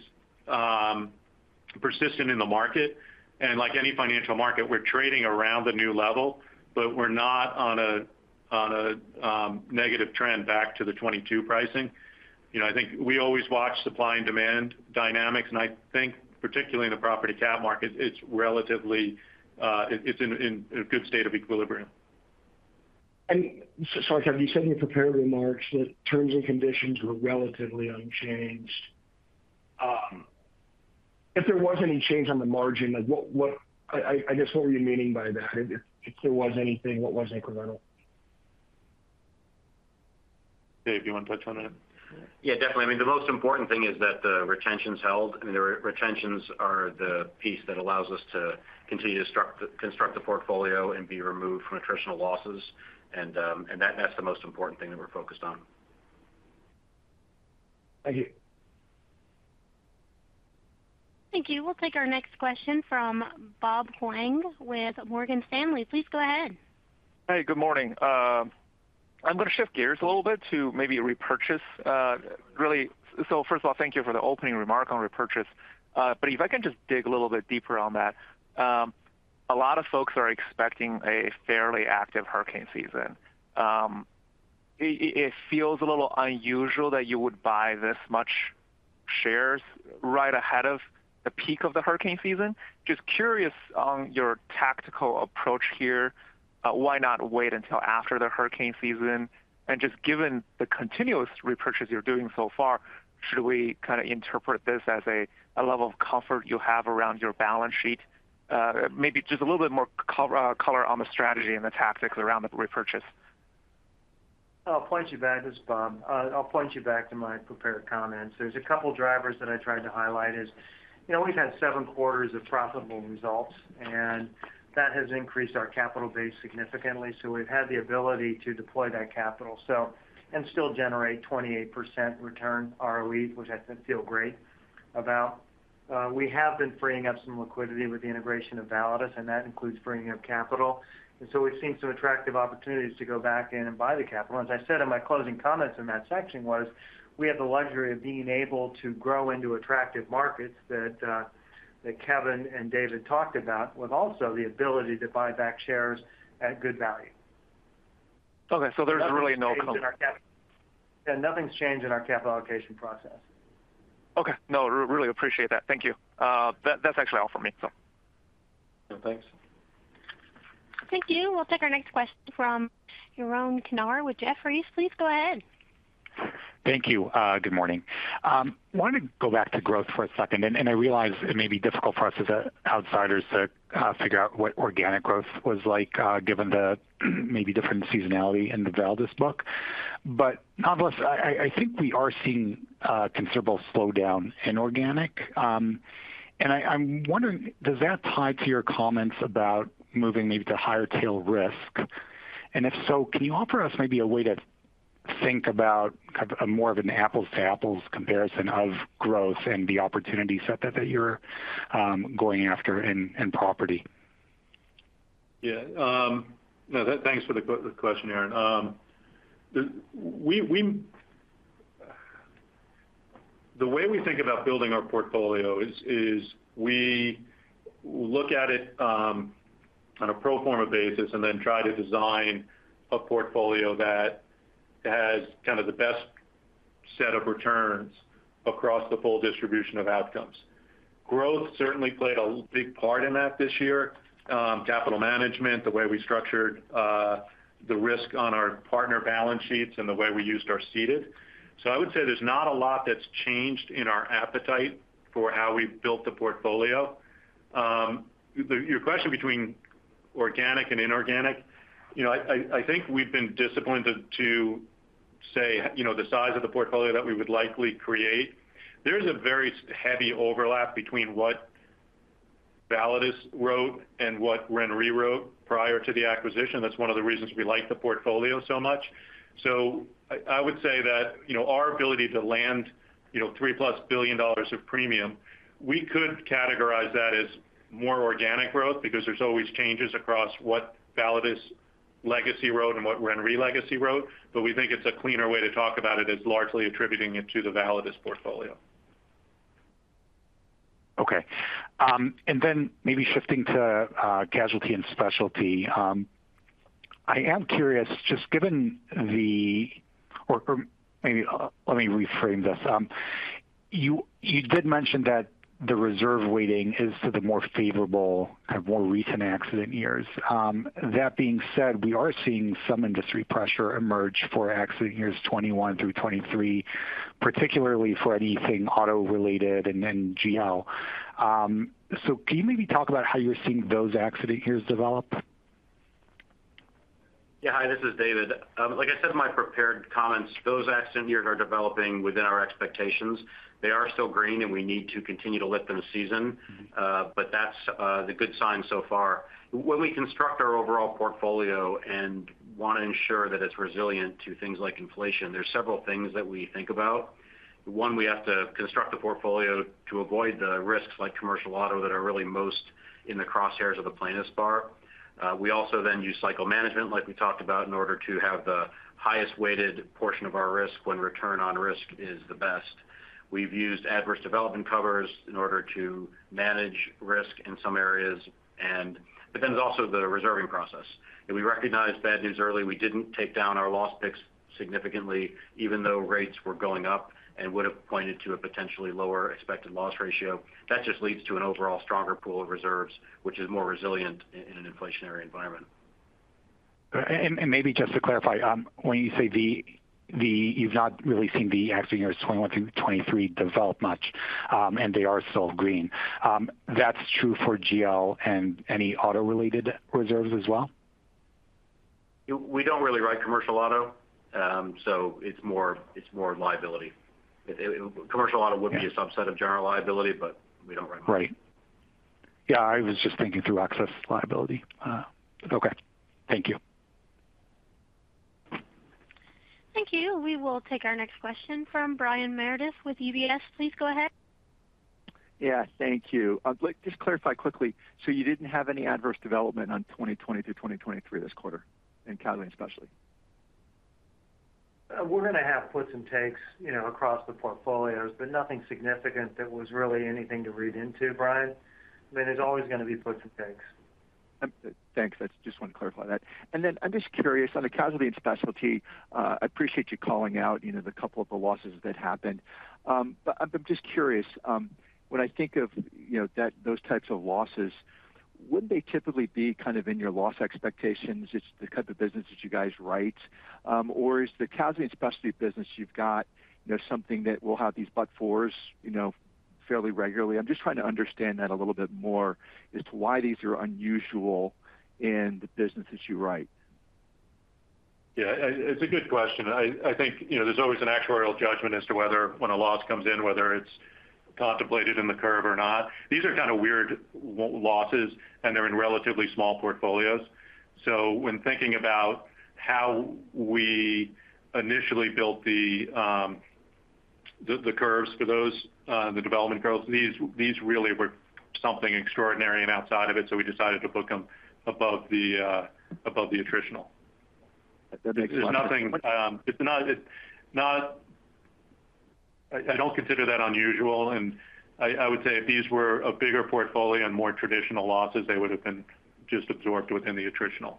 persistent in the market. And like any financial market, we're trading around the new level, but we're not on a negative trend back to the 2022 pricing. I think we always watch supply and demand dynamics, and I think particularly in the property cat market, it's in a good state of equilibrium. Sorry, Kevin, you said in your prepared remarks that terms and conditions were relatively unchanged. If there was any change on the margin, I guess what were you meaning by that? If there was anything, what was incremental? Dave, do you want to touch on that? Yeah, definitely. I mean, the most important thing is that the retention's held. I mean, the retentions are the piece that allows us to continue to construct the portfolio and be removed from attritional losses. That's the most important thing that we're focused on. Thank you. Thank you. We'll take our next question from Bob Huang with Morgan Stanley. Please go ahead. Hey, good morning. I'm going to shift gears a little bit to maybe repurchase. Really, so first of all, thank you for the opening remark on repurchase. But if I can just dig a little bit deeper on that, a lot of folks are expecting a fairly active hurricane season. It feels a little unusual that you would buy this much shares right ahead of the peak of the hurricane season. Just curious on your tactical approach here. Why not wait until after the hurricane season? And just given the continuous repurchase you're doing so far, should we kind of interpret this as a level of comfort you have around your balance sheet? Maybe just a little bit more color on the strategy and the tactics around the repurchase. I'll point you back, just Bob. I'll point you back to my prepared comments. There's a couple of drivers that I tried to highlight. We've had seven quarters of profitable results, and that has increased our capital base significantly. So we've had the ability to deploy that capital and still generate 28% return ROE, which I feel great about. We have been freeing up some liquidity with the integration of Validus, and that includes freeing up capital. And so we've seen some attractive opportunities to go back in and buy the capital. As I said in my closing comments in that section was we have the luxury of being able to grow into attractive markets that Kevin and David talked about with also the ability to buy back shares at good value. Okay. So there's really no comment. Yeah, nothing's changed in our capital allocation process. Okay. No, really appreciate that. Thank you. That's actually all for me, so. Thanks. Thank you. We'll take our next question from Yaron Kinar with Jefferies. Please go ahead. Thank you. Good morning. Wanted to go back to growth for a second, and I realize it may be difficult for us as outsiders to figure out what organic growth was like given the maybe different seasonality in the Validus book. But nonetheless, I think we are seeing a considerable slowdown in organic. And I'm wondering, does that tie to your comments about moving maybe to higher tail risk? And if so, can you offer us maybe a way to think about kind of a more of an apples-to-apples comparison of growth and the opportunity set that you're going after in property? Yeah. No, thanks for the question, Yaron. The way we think about building our portfolio is we look at it on a pro forma basis and then try to design a portfolio that has kind of the best set of returns across the full distribution of outcomes. Growth certainly played a big part in that this year. Capital management, the way we structured the risk on our partner balance sheets and the way we used our seeded. So I would say there's not a lot that's changed in our appetite for how we've built the portfolio. Your question between organic and inorganic, I think we've been disciplined to say the size of the portfolio that we would likely create. There's a very heavy overlap between what Validus wrote and what RenRe wrote prior to the acquisition. That's one of the reasons we like the portfolio so much. So I would say that our ability to land $3+ billion of premium, we could categorize that as more organic growth because there's always changes across what Validus Legacy wrote and what RenRe Legacy wrote. But we think it's a cleaner way to talk about it as largely attributing it to the Validus portfolio. Okay. And then maybe shifting to casualty and specialty, I am curious, just given the—or maybe let me reframe this. You did mention that the reserve weighting is to the more favorable, kind of more recent accident years. That being said, we are seeing some industry pressure emerge for accident years 2021 through 2023, particularly for anything auto-related and GL. So can you maybe talk about how you're seeing those accident years develop? Yeah. Hi, this is David. Like I said in my prepared comments, those accident years are developing within our expectations. They are still green, and we need to continue to let them season, but that's the good sign so far. When we construct our overall portfolio and want to ensure that it's resilient to things like inflation, there's several things that we think about. One, we have to construct the portfolio to avoid the risks like commercial auto that are really most in the crosshairs of the plaintiff's bar. We also then use cycle management, like we talked about, in order to have the highest weighted portion of our risk when return on risk is the best. We've used adverse development covers in order to manage risk in some areas, but then there's also the reserving process. If we recognize bad news early, we didn't take down our loss picks significantly, even though rates were going up and would have pointed to a potentially lower expected loss ratio. That just leads to an overall stronger pool of reserves, which is more resilient in an inflationary environment. Maybe just to clarify, when you say you've not really seen the accident years 2021 through 2023 develop much, and they are still green, that's true for GL and any auto-related reserves as well? We don't really write commercial auto, so it's more liability. commercial auto would be a subset of general liability, but we don't write commercial. Right. Yeah. I was just thinking through excess liability. Okay. Thank you. Thank you. We will take our next question from Brian Meredith with UBS. Please go ahead. Yeah. Thank you. Just clarify quickly. So you didn't have any adverse development on 2022 through 2023 this quarter in Casualty and Specialty? We're going to have puts and takes across the portfolios, but nothing significant that was really anything to read into, Brian. I mean, there's always going to be puts and takes. Thanks. I just wanted to clarify that. And then I'm just curious, on the Casualty and Specialty, I appreciate you calling out a couple of the losses that happened. But I'm just curious, when I think of those types of losses, wouldn't they typically be kind of in your loss expectations? It's the type of business that you guys write. Or is the Casualty and Specialty business you've got something that will have these blow-ups fairly regularly? I'm just trying to understand that a little bit more as to why these are unusual in the business that you write. Yeah. It's a good question. I think there's always an actuarial judgment as to whether, when a loss comes in, whether it's contemplated in the curve or not. These are kind of weird losses, and they're in relatively small portfolios. So when thinking about how we initially built the curves for those, the development curves, these really were something extraordinary and outside of it, so we decided to book them above the attritional. That makes sense. It's not. I don't consider that unusual. I would say if these were a bigger portfolio and more traditional losses, they would have been just absorbed within the attritional.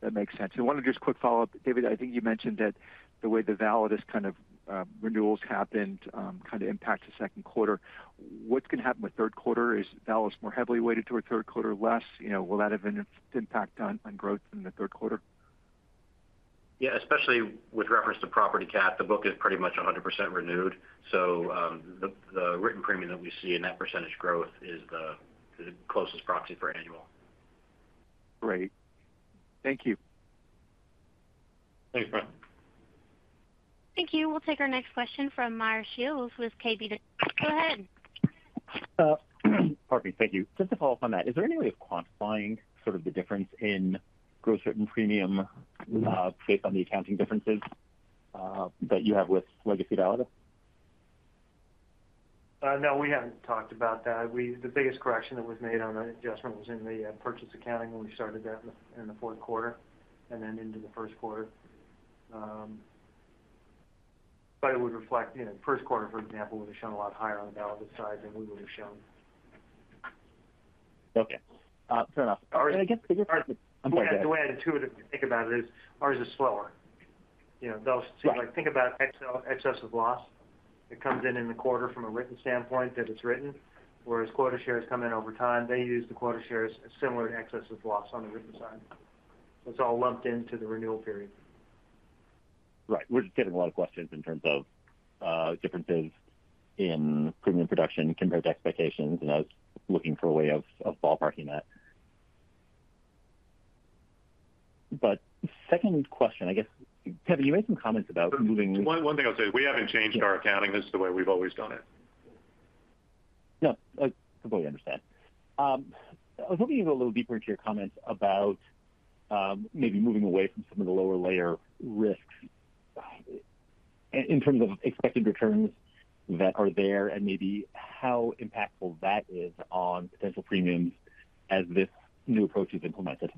That makes sense. One of the just quick follow-up, David, I think you mentioned that the way the Validus kind of renewals happened kind of impacted second quarter. What's going to happen with third quarter? Is Validus more heavily weighted toward third quarter or less? Will that have an impact on growth in the third quarter? Yeah. Especially with reference to property cat, the book is pretty much 100% renewed. So the written premium that we see in that percentage growth is the closest proxy for annual. Great. Thank you. Thanks, Brian. Thank you. We'll take our next question from Meyer Shields with KBW. Go ahead. Pardon me. Thank you. Just to follow up on that, is there any way of quantifying sort of the difference in gross written premium based on the accounting differences that you have with Legacy Validus? No, we haven't talked about that. The biggest correction that was made on the adjustment was in the purchase accounting when we started that in the fourth quarter and then into the first quarter. But it would reflect. First quarter, for example, would have shown a lot higher on the Validus side than we would have shown. Okay. Fair enough. And I guess the good. I'm sorry. Go ahead. The way I intuitively think about it is ours is slower. Those things like, think about excess of loss that comes in in the quarter from a written standpoint that it's written, whereas quota shares come in over time. They use the quota shares similar to excess of loss on the written side. So it's all lumped into the renewal period. Right. We're just getting a lot of questions in terms of differences in premium production compared to expectations, and I was looking for a way of ballparking that. But second question, I guess, Kevin, you made some comments about moving. One thing I'll say is we haven't changed our accounting. This is the way we've always done it. No, I completely understand. I was hoping to go a little deeper into your comments about maybe moving away from some of the lower-layer risks in terms of expected returns that are there and maybe how impactful that is on potential premiums as this new approach is implemented.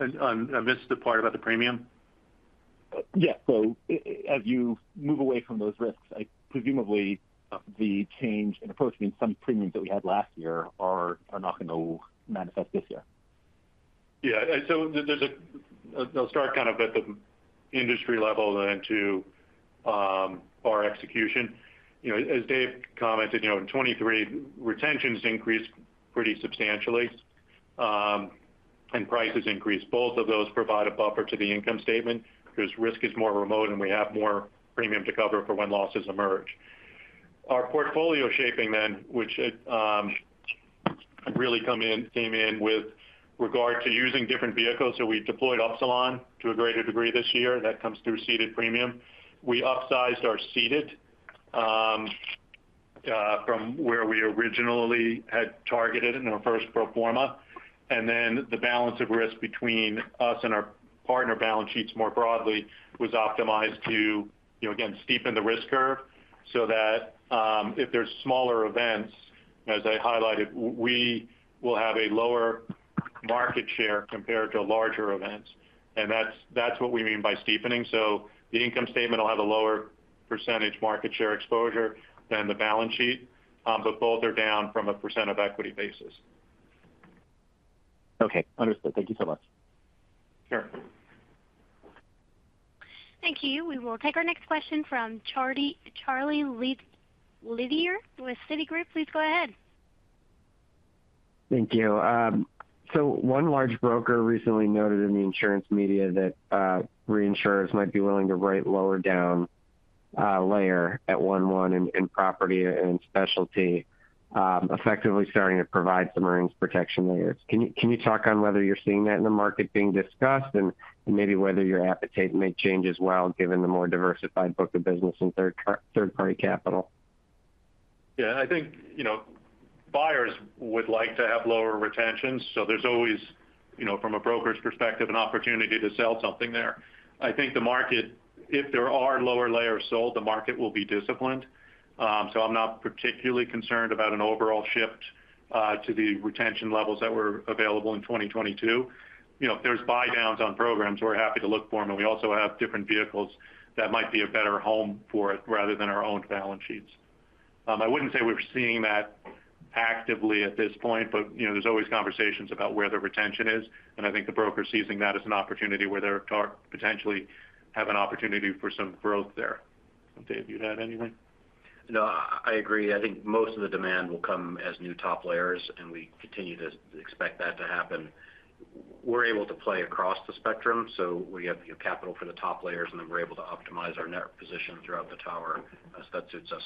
I missed the part about the premium? Yeah. So as you move away from those risks, presumably the change in approach means some premiums that we had last year are not going to manifest this year. Yeah. So I'll start kind of at the industry level then to our execution. As Dave commented, in 2023, retentions increased pretty substantially, and prices increased. Both of those provide a buffer to the income statement because risk is more remote, and we have more premium to cover for when losses emerge. Our portfolio shaping then, which really came in with regard to using different vehicles. So we deployed Upsilon to a greater degree this year. That comes through ceded premium. We upsized our ceded from where we originally had targeted in our first pro forma. And then the balance of risk between us and our partner balance sheets more broadly was optimized to, again, steepen the risk curve so that if there's smaller events, as I highlighted, we will have a lower market share compared to larger events. And that's what we mean by steepening. So the income statement will have a lower percentage market share exposure than the balance sheet, but both are down from a percent of equity basis. Okay. Understood. Thank you so much. Sure. Thank you. We will take our next question from Charlie Lederer with Citi. Please go ahead. Thank you. So one large broker recently noted in the insurance media that reinsurers might be willing to write lower down layer at 1/1 in property and specialty, effectively starting to provide some earnings protection layers. Can you talk on whether you're seeing that in the market being discussed and maybe whether your appetite may change as well given the more diversified book of business and third-party capital? Yeah. I think buyers would like to have lower retention. So there's always, from a broker's perspective, an opportunity to sell something there. I think the market, if there are lower layers sold, the market will be disciplined. So I'm not particularly concerned about an overall shift to the retention levels that were available in 2022. If there's buy-downs on programs, we're happy to look for them. And we also have different vehicles that might be a better home for it rather than our own balance sheets. I wouldn't say we're seeing that actively at this point, but there's always conversations about where the retention is. And I think the broker sees that as an opportunity where they potentially have an opportunity for some growth there. David, you had anything? No, I agree. I think most of the demand will come as new top layers, and we continue to expect that to happen. We're able to play across the spectrum. So we have capital for the top layers, and then we're able to optimize our net position throughout the tower as that suits us.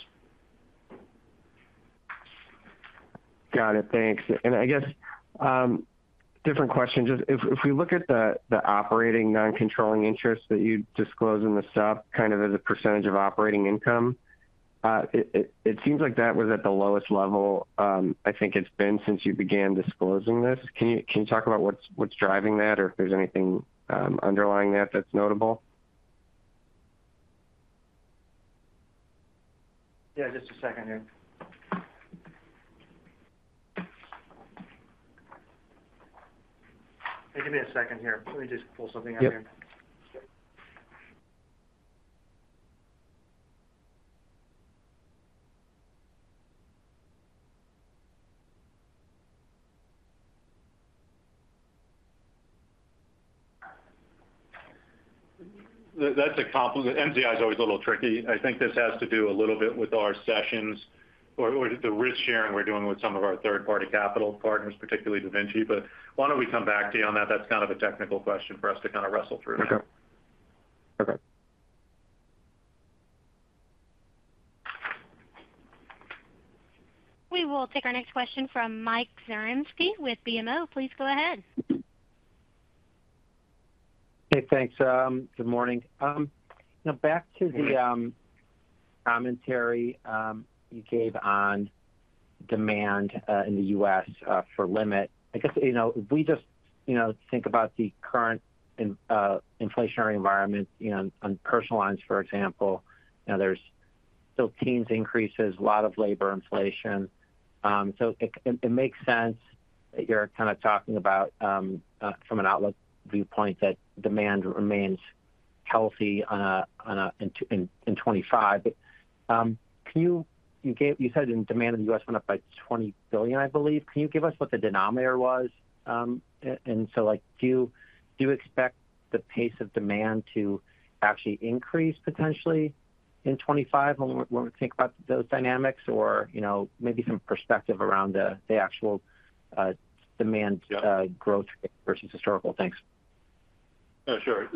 Got it. Thanks. And I guess different question. If we look at the operating non-controlling interest that you disclose in the Supp kind of as a percentage of operating income, it seems like that was at the lowest level I think it's been since you began disclosing this. Can you talk about what's driving that or if there's anything underlying that that's notable? Yeah. Just a second here. Give me a second here. Let me just pull something up here. That's a compliment. NCI is always a little tricky. I think this has to do a little bit with our sessions or the risk sharing we're doing with some of our third-party capital partners, particularly DaVinci. But why don't we come back to you on that? That's kind of a technical question for us to kind of wrestle through. Okay. Perfect. We will take our next question from Mike Zaremski with BMO. Please go ahead. Hey, thanks. Good morning. Back to the commentary you gave on demand in the U.S. for limit. I guess if we just think about the current inflationary environment on personal lines, for example, there's still teens increases, a lot of labor inflation. So it makes sense that you're kind of talking about from an outlook viewpoint that demand remains healthy in 2025. But you said demand in the U.S. went up by $20 billion, I believe. Can you give us what the denominator was? And so do you expect the pace of demand to actually increase potentially in 2025 when we think about those dynamics, or maybe some perspective around the actual demand growth versus historical things? Sure.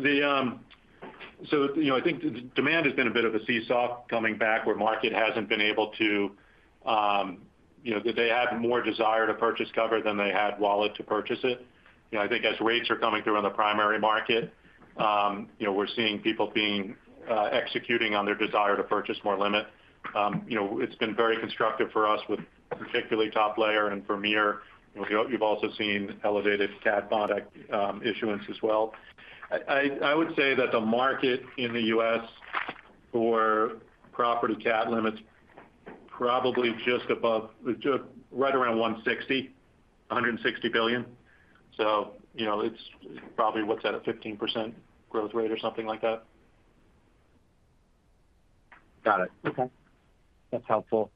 So I think demand has been a bit of a seesaw coming back where market hasn't been able to—they had more desire to purchase cover than they had wallet to purchase it. I think as rates are coming through on the primary market, we're seeing people executing on their desire to purchase more limit. It's been very constructive for us with particularly top layer and Vermeer. You've also seen elevated cat bond issuance as well. I would say that the market in the U.S. for property cat limits probably just above right around $160 billion. So it's probably what's at a 15% growth rate or something like that. Got it. Okay. That's helpful.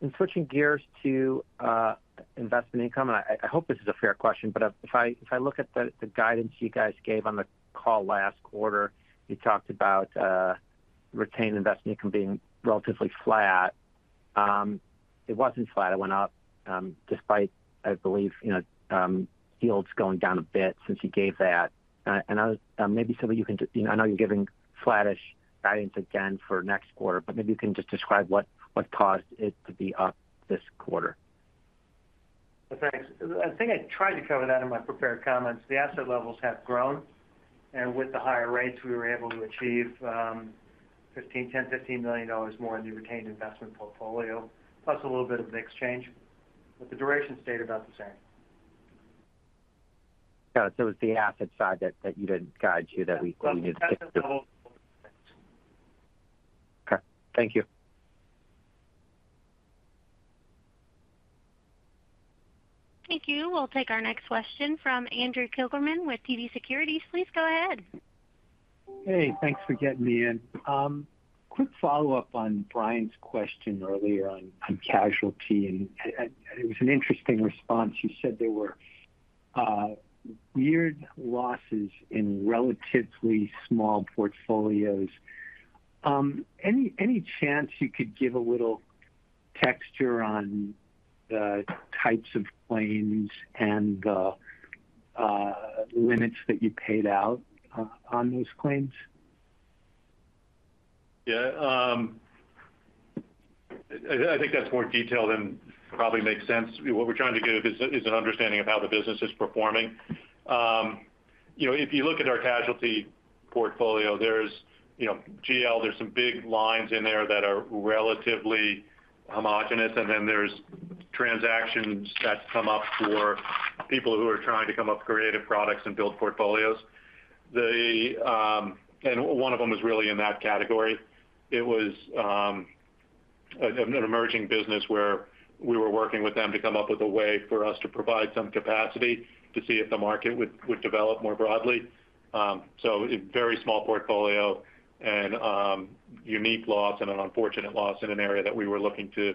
And switching gears to investment income, and I hope this is a fair question, but if I look at the guidance you guys gave on the call last quarter, you talked about retained investment income being relatively flat. It wasn't flat. It went up despite, I believe, yields going down a bit since you gave that. And maybe so that you can—I know you're giving flattish guidance again for next quarter, but maybe you can just describe what caused it to be up this quarter. Well, thanks. I think I tried to cover that in my prepared comments. The asset levels have grown. With the higher rates, we were able to achieve $10 million-$15 million more in the retained investment portfolio, plus a little bit of the exchange. The duration stayed about the same. Got it. So it was the asset side that you didn't guide to that we needed to fix. That's double the things. Okay. Thank you. Thank you. We'll take our next question from Andrew Kligerman with TD Securities. Please go ahead. Hey, thanks for getting me in. Quick follow-up on Brian's question earlier on casualty. It was an interesting response. You said there were weird losses in relatively small portfolios. Any chance you could give a little texture on the types of claims and the limits that you paid out on those claims? Yeah. I think that's more detailed and probably makes sense. What we're trying to give is an understanding of how the business is performing. If you look at our Casualty portfolio, there's GL, there's some big lines in there that are relatively homogeneous. And then there's transactions that come up for people who are trying to come up with creative products and build portfolios. And one of them is really in that category. It was an emerging business where we were working with them to come up with a way for us to provide some capacity to see if the market would develop more broadly. So a very small portfolio and unique loss and an unfortunate loss in an area that we were looking to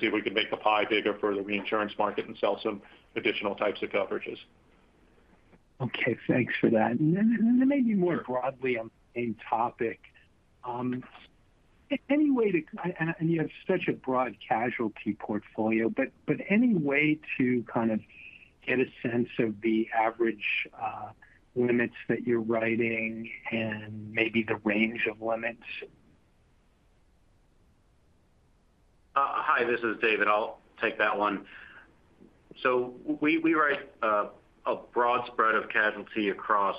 see if we could make the pie bigger for the reinsurance market and sell some additional types of coverages. Okay. Thanks for that. And then maybe more broadly on the same topic, any way to—and you have such a broad casualty portfolio, but any way to kind of get a sense of the average limits that you're writing and maybe the range of limits? Hi, this is David. I'll take that one. So we write a broad spread of casualty across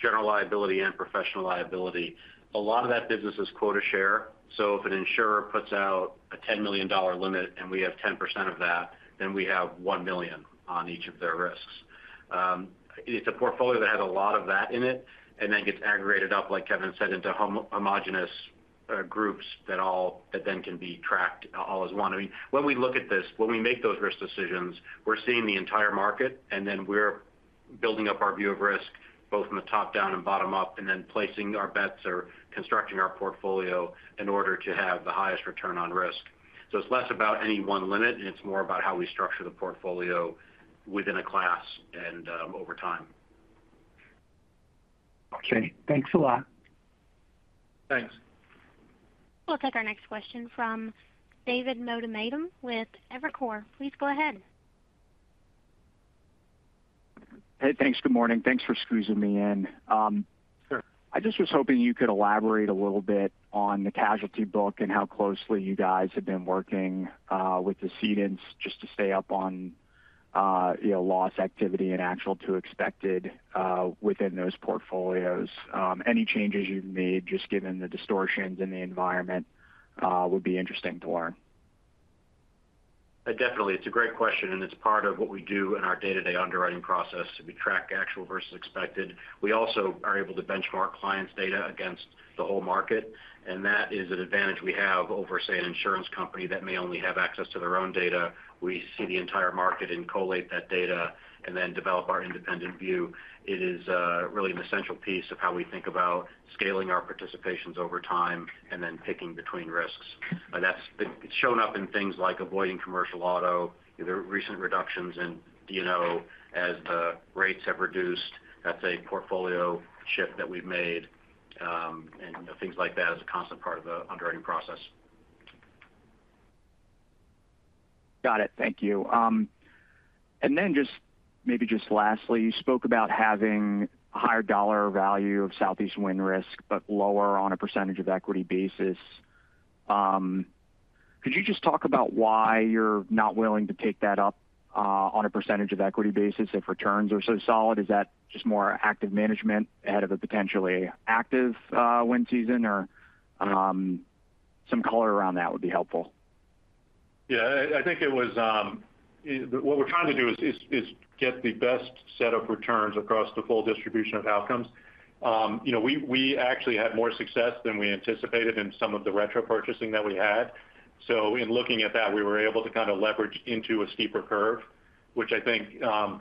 general liability and professional liability. A lot of that business is quota share. So if an insurer puts out a $10 million limit and we have 10% of that, then we have $1 million on each of their risks. It's a portfolio that has a lot of that in it and then gets aggregated up, like Kevin said, into homogenous groups that then can be tracked all as one. I mean, when we look at this, when we make those risk decisions, we're seeing the entire market, and then we're building up our view of risk both from the top down and bottom up, and then placing our bets or constructing our portfolio in order to have the highest return on risk. It's less about any one limit, and it's more about how we structure the portfolio within a class and over time. Okay. Thanks a lot. Thanks. We'll take our next question from David Motemaden with Evercore. Please go ahead. Hey, thanks. Good morning. Thanks for squeezing me in. I just was hoping you could elaborate a little bit on the casualty book and how closely you guys have been working with the cedents just to stay up on loss activity and actual to expected within those portfolios. Any changes you've made, just given the distortions in the environment, would be interesting to learn. Definitely. It's a great question, and it's part of what we do in our day-to-day underwriting process. We track actual versus expected. We also are able to benchmark clients' data against the whole market. That is an advantage we have over, say, an insurance company that may only have access to their own data. We see the entire market and collate that data and then develop our independent view. It is really an essential piece of how we think about scaling our participations over time and then picking between risks. That's been shown up in things like avoiding commercial auto, the recent reductions in D&O as the rates have reduced. That's a portfolio shift that we've made and things like that as a constant part of the underwriting process. Got it. Thank you. And then maybe just lastly, you spoke about having a higher dollar value of Southeast wind risk, but lower on a percentage of equity basis. Could you just talk about why you're not willing to take that up on a percentage of equity basis if returns are so solid? Is that just more active management ahead of a potentially active wind season? Or some color around that would be helpful. Yeah. I think it was what we're trying to do is get the best set of returns across the full distribution of outcomes. We actually had more success than we anticipated in some of the retro purchasing that we had. So in looking at that, we were able to kind of leverage into a steeper curve, which I think a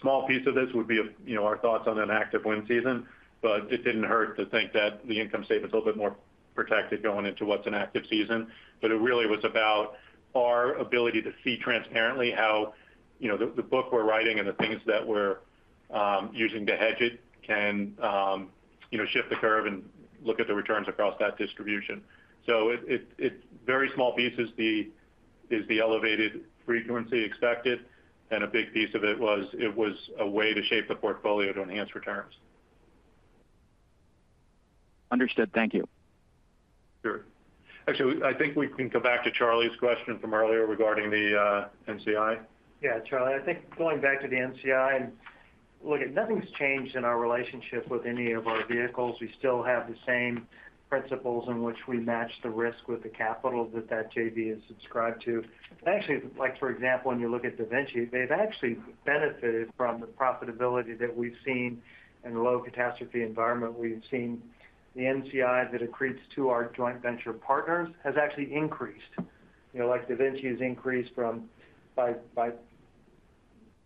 small piece of this would be our thoughts on an active wind season. But it didn't hurt to think that the income statement's a little bit more protected going into what's an active season. But it really was about our ability to see transparently how the book we're writing and the things that we're using to hedge it can shift the curve and look at the returns across that distribution. So very small pieces is the elevated frequency expected. A big piece of it was a way to shape the portfolio to enhance returns. Understood. Thank you. Sure. Actually, I think we can come back to Charlie's question from earlier regarding the NCI. Yeah, Charlie. I think going back to the NCI, look, nothing's changed in our relationship with any of our vehicles. We still have the same principles in which we match the risk with the capital that that JV is subscribed to. Actually, for example, when you look at DaVinci, they've actually benefited from the profitability that we've seen in a low catastrophe environment. We've seen the NCI that accretes to our joint venture partners has actually increased. DaVinci has increased by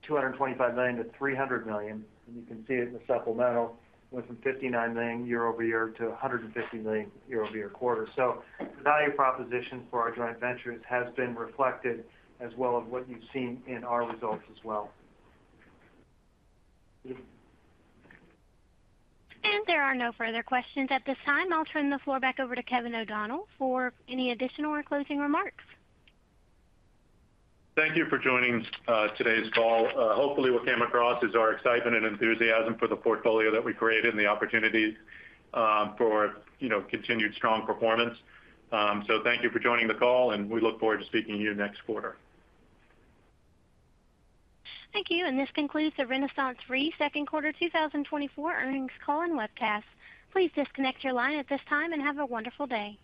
$225 million-$300 million. And you can see it in the supplemental within $59 million year-over-year to $150 million year-over-year quarter. So the value proposition for our joint ventures has been reflected as well as what you've seen in our results as well. There are no further questions at this time. I'll turn the floor back over to Kevin O'Donnell for any additional or closing remarks. Thank you for joining today's call. Hopefully, what came across is our excitement and enthusiasm for the portfolio that we created and the opportunity for continued strong performance. So thank you for joining the call, and we look forward to speaking to you next quarter. Thank you. This concludes the RenaissanceRe Second Quarter 2024 Earnings Call and Webcast. Please disconnect your line at this time and have a wonderful day.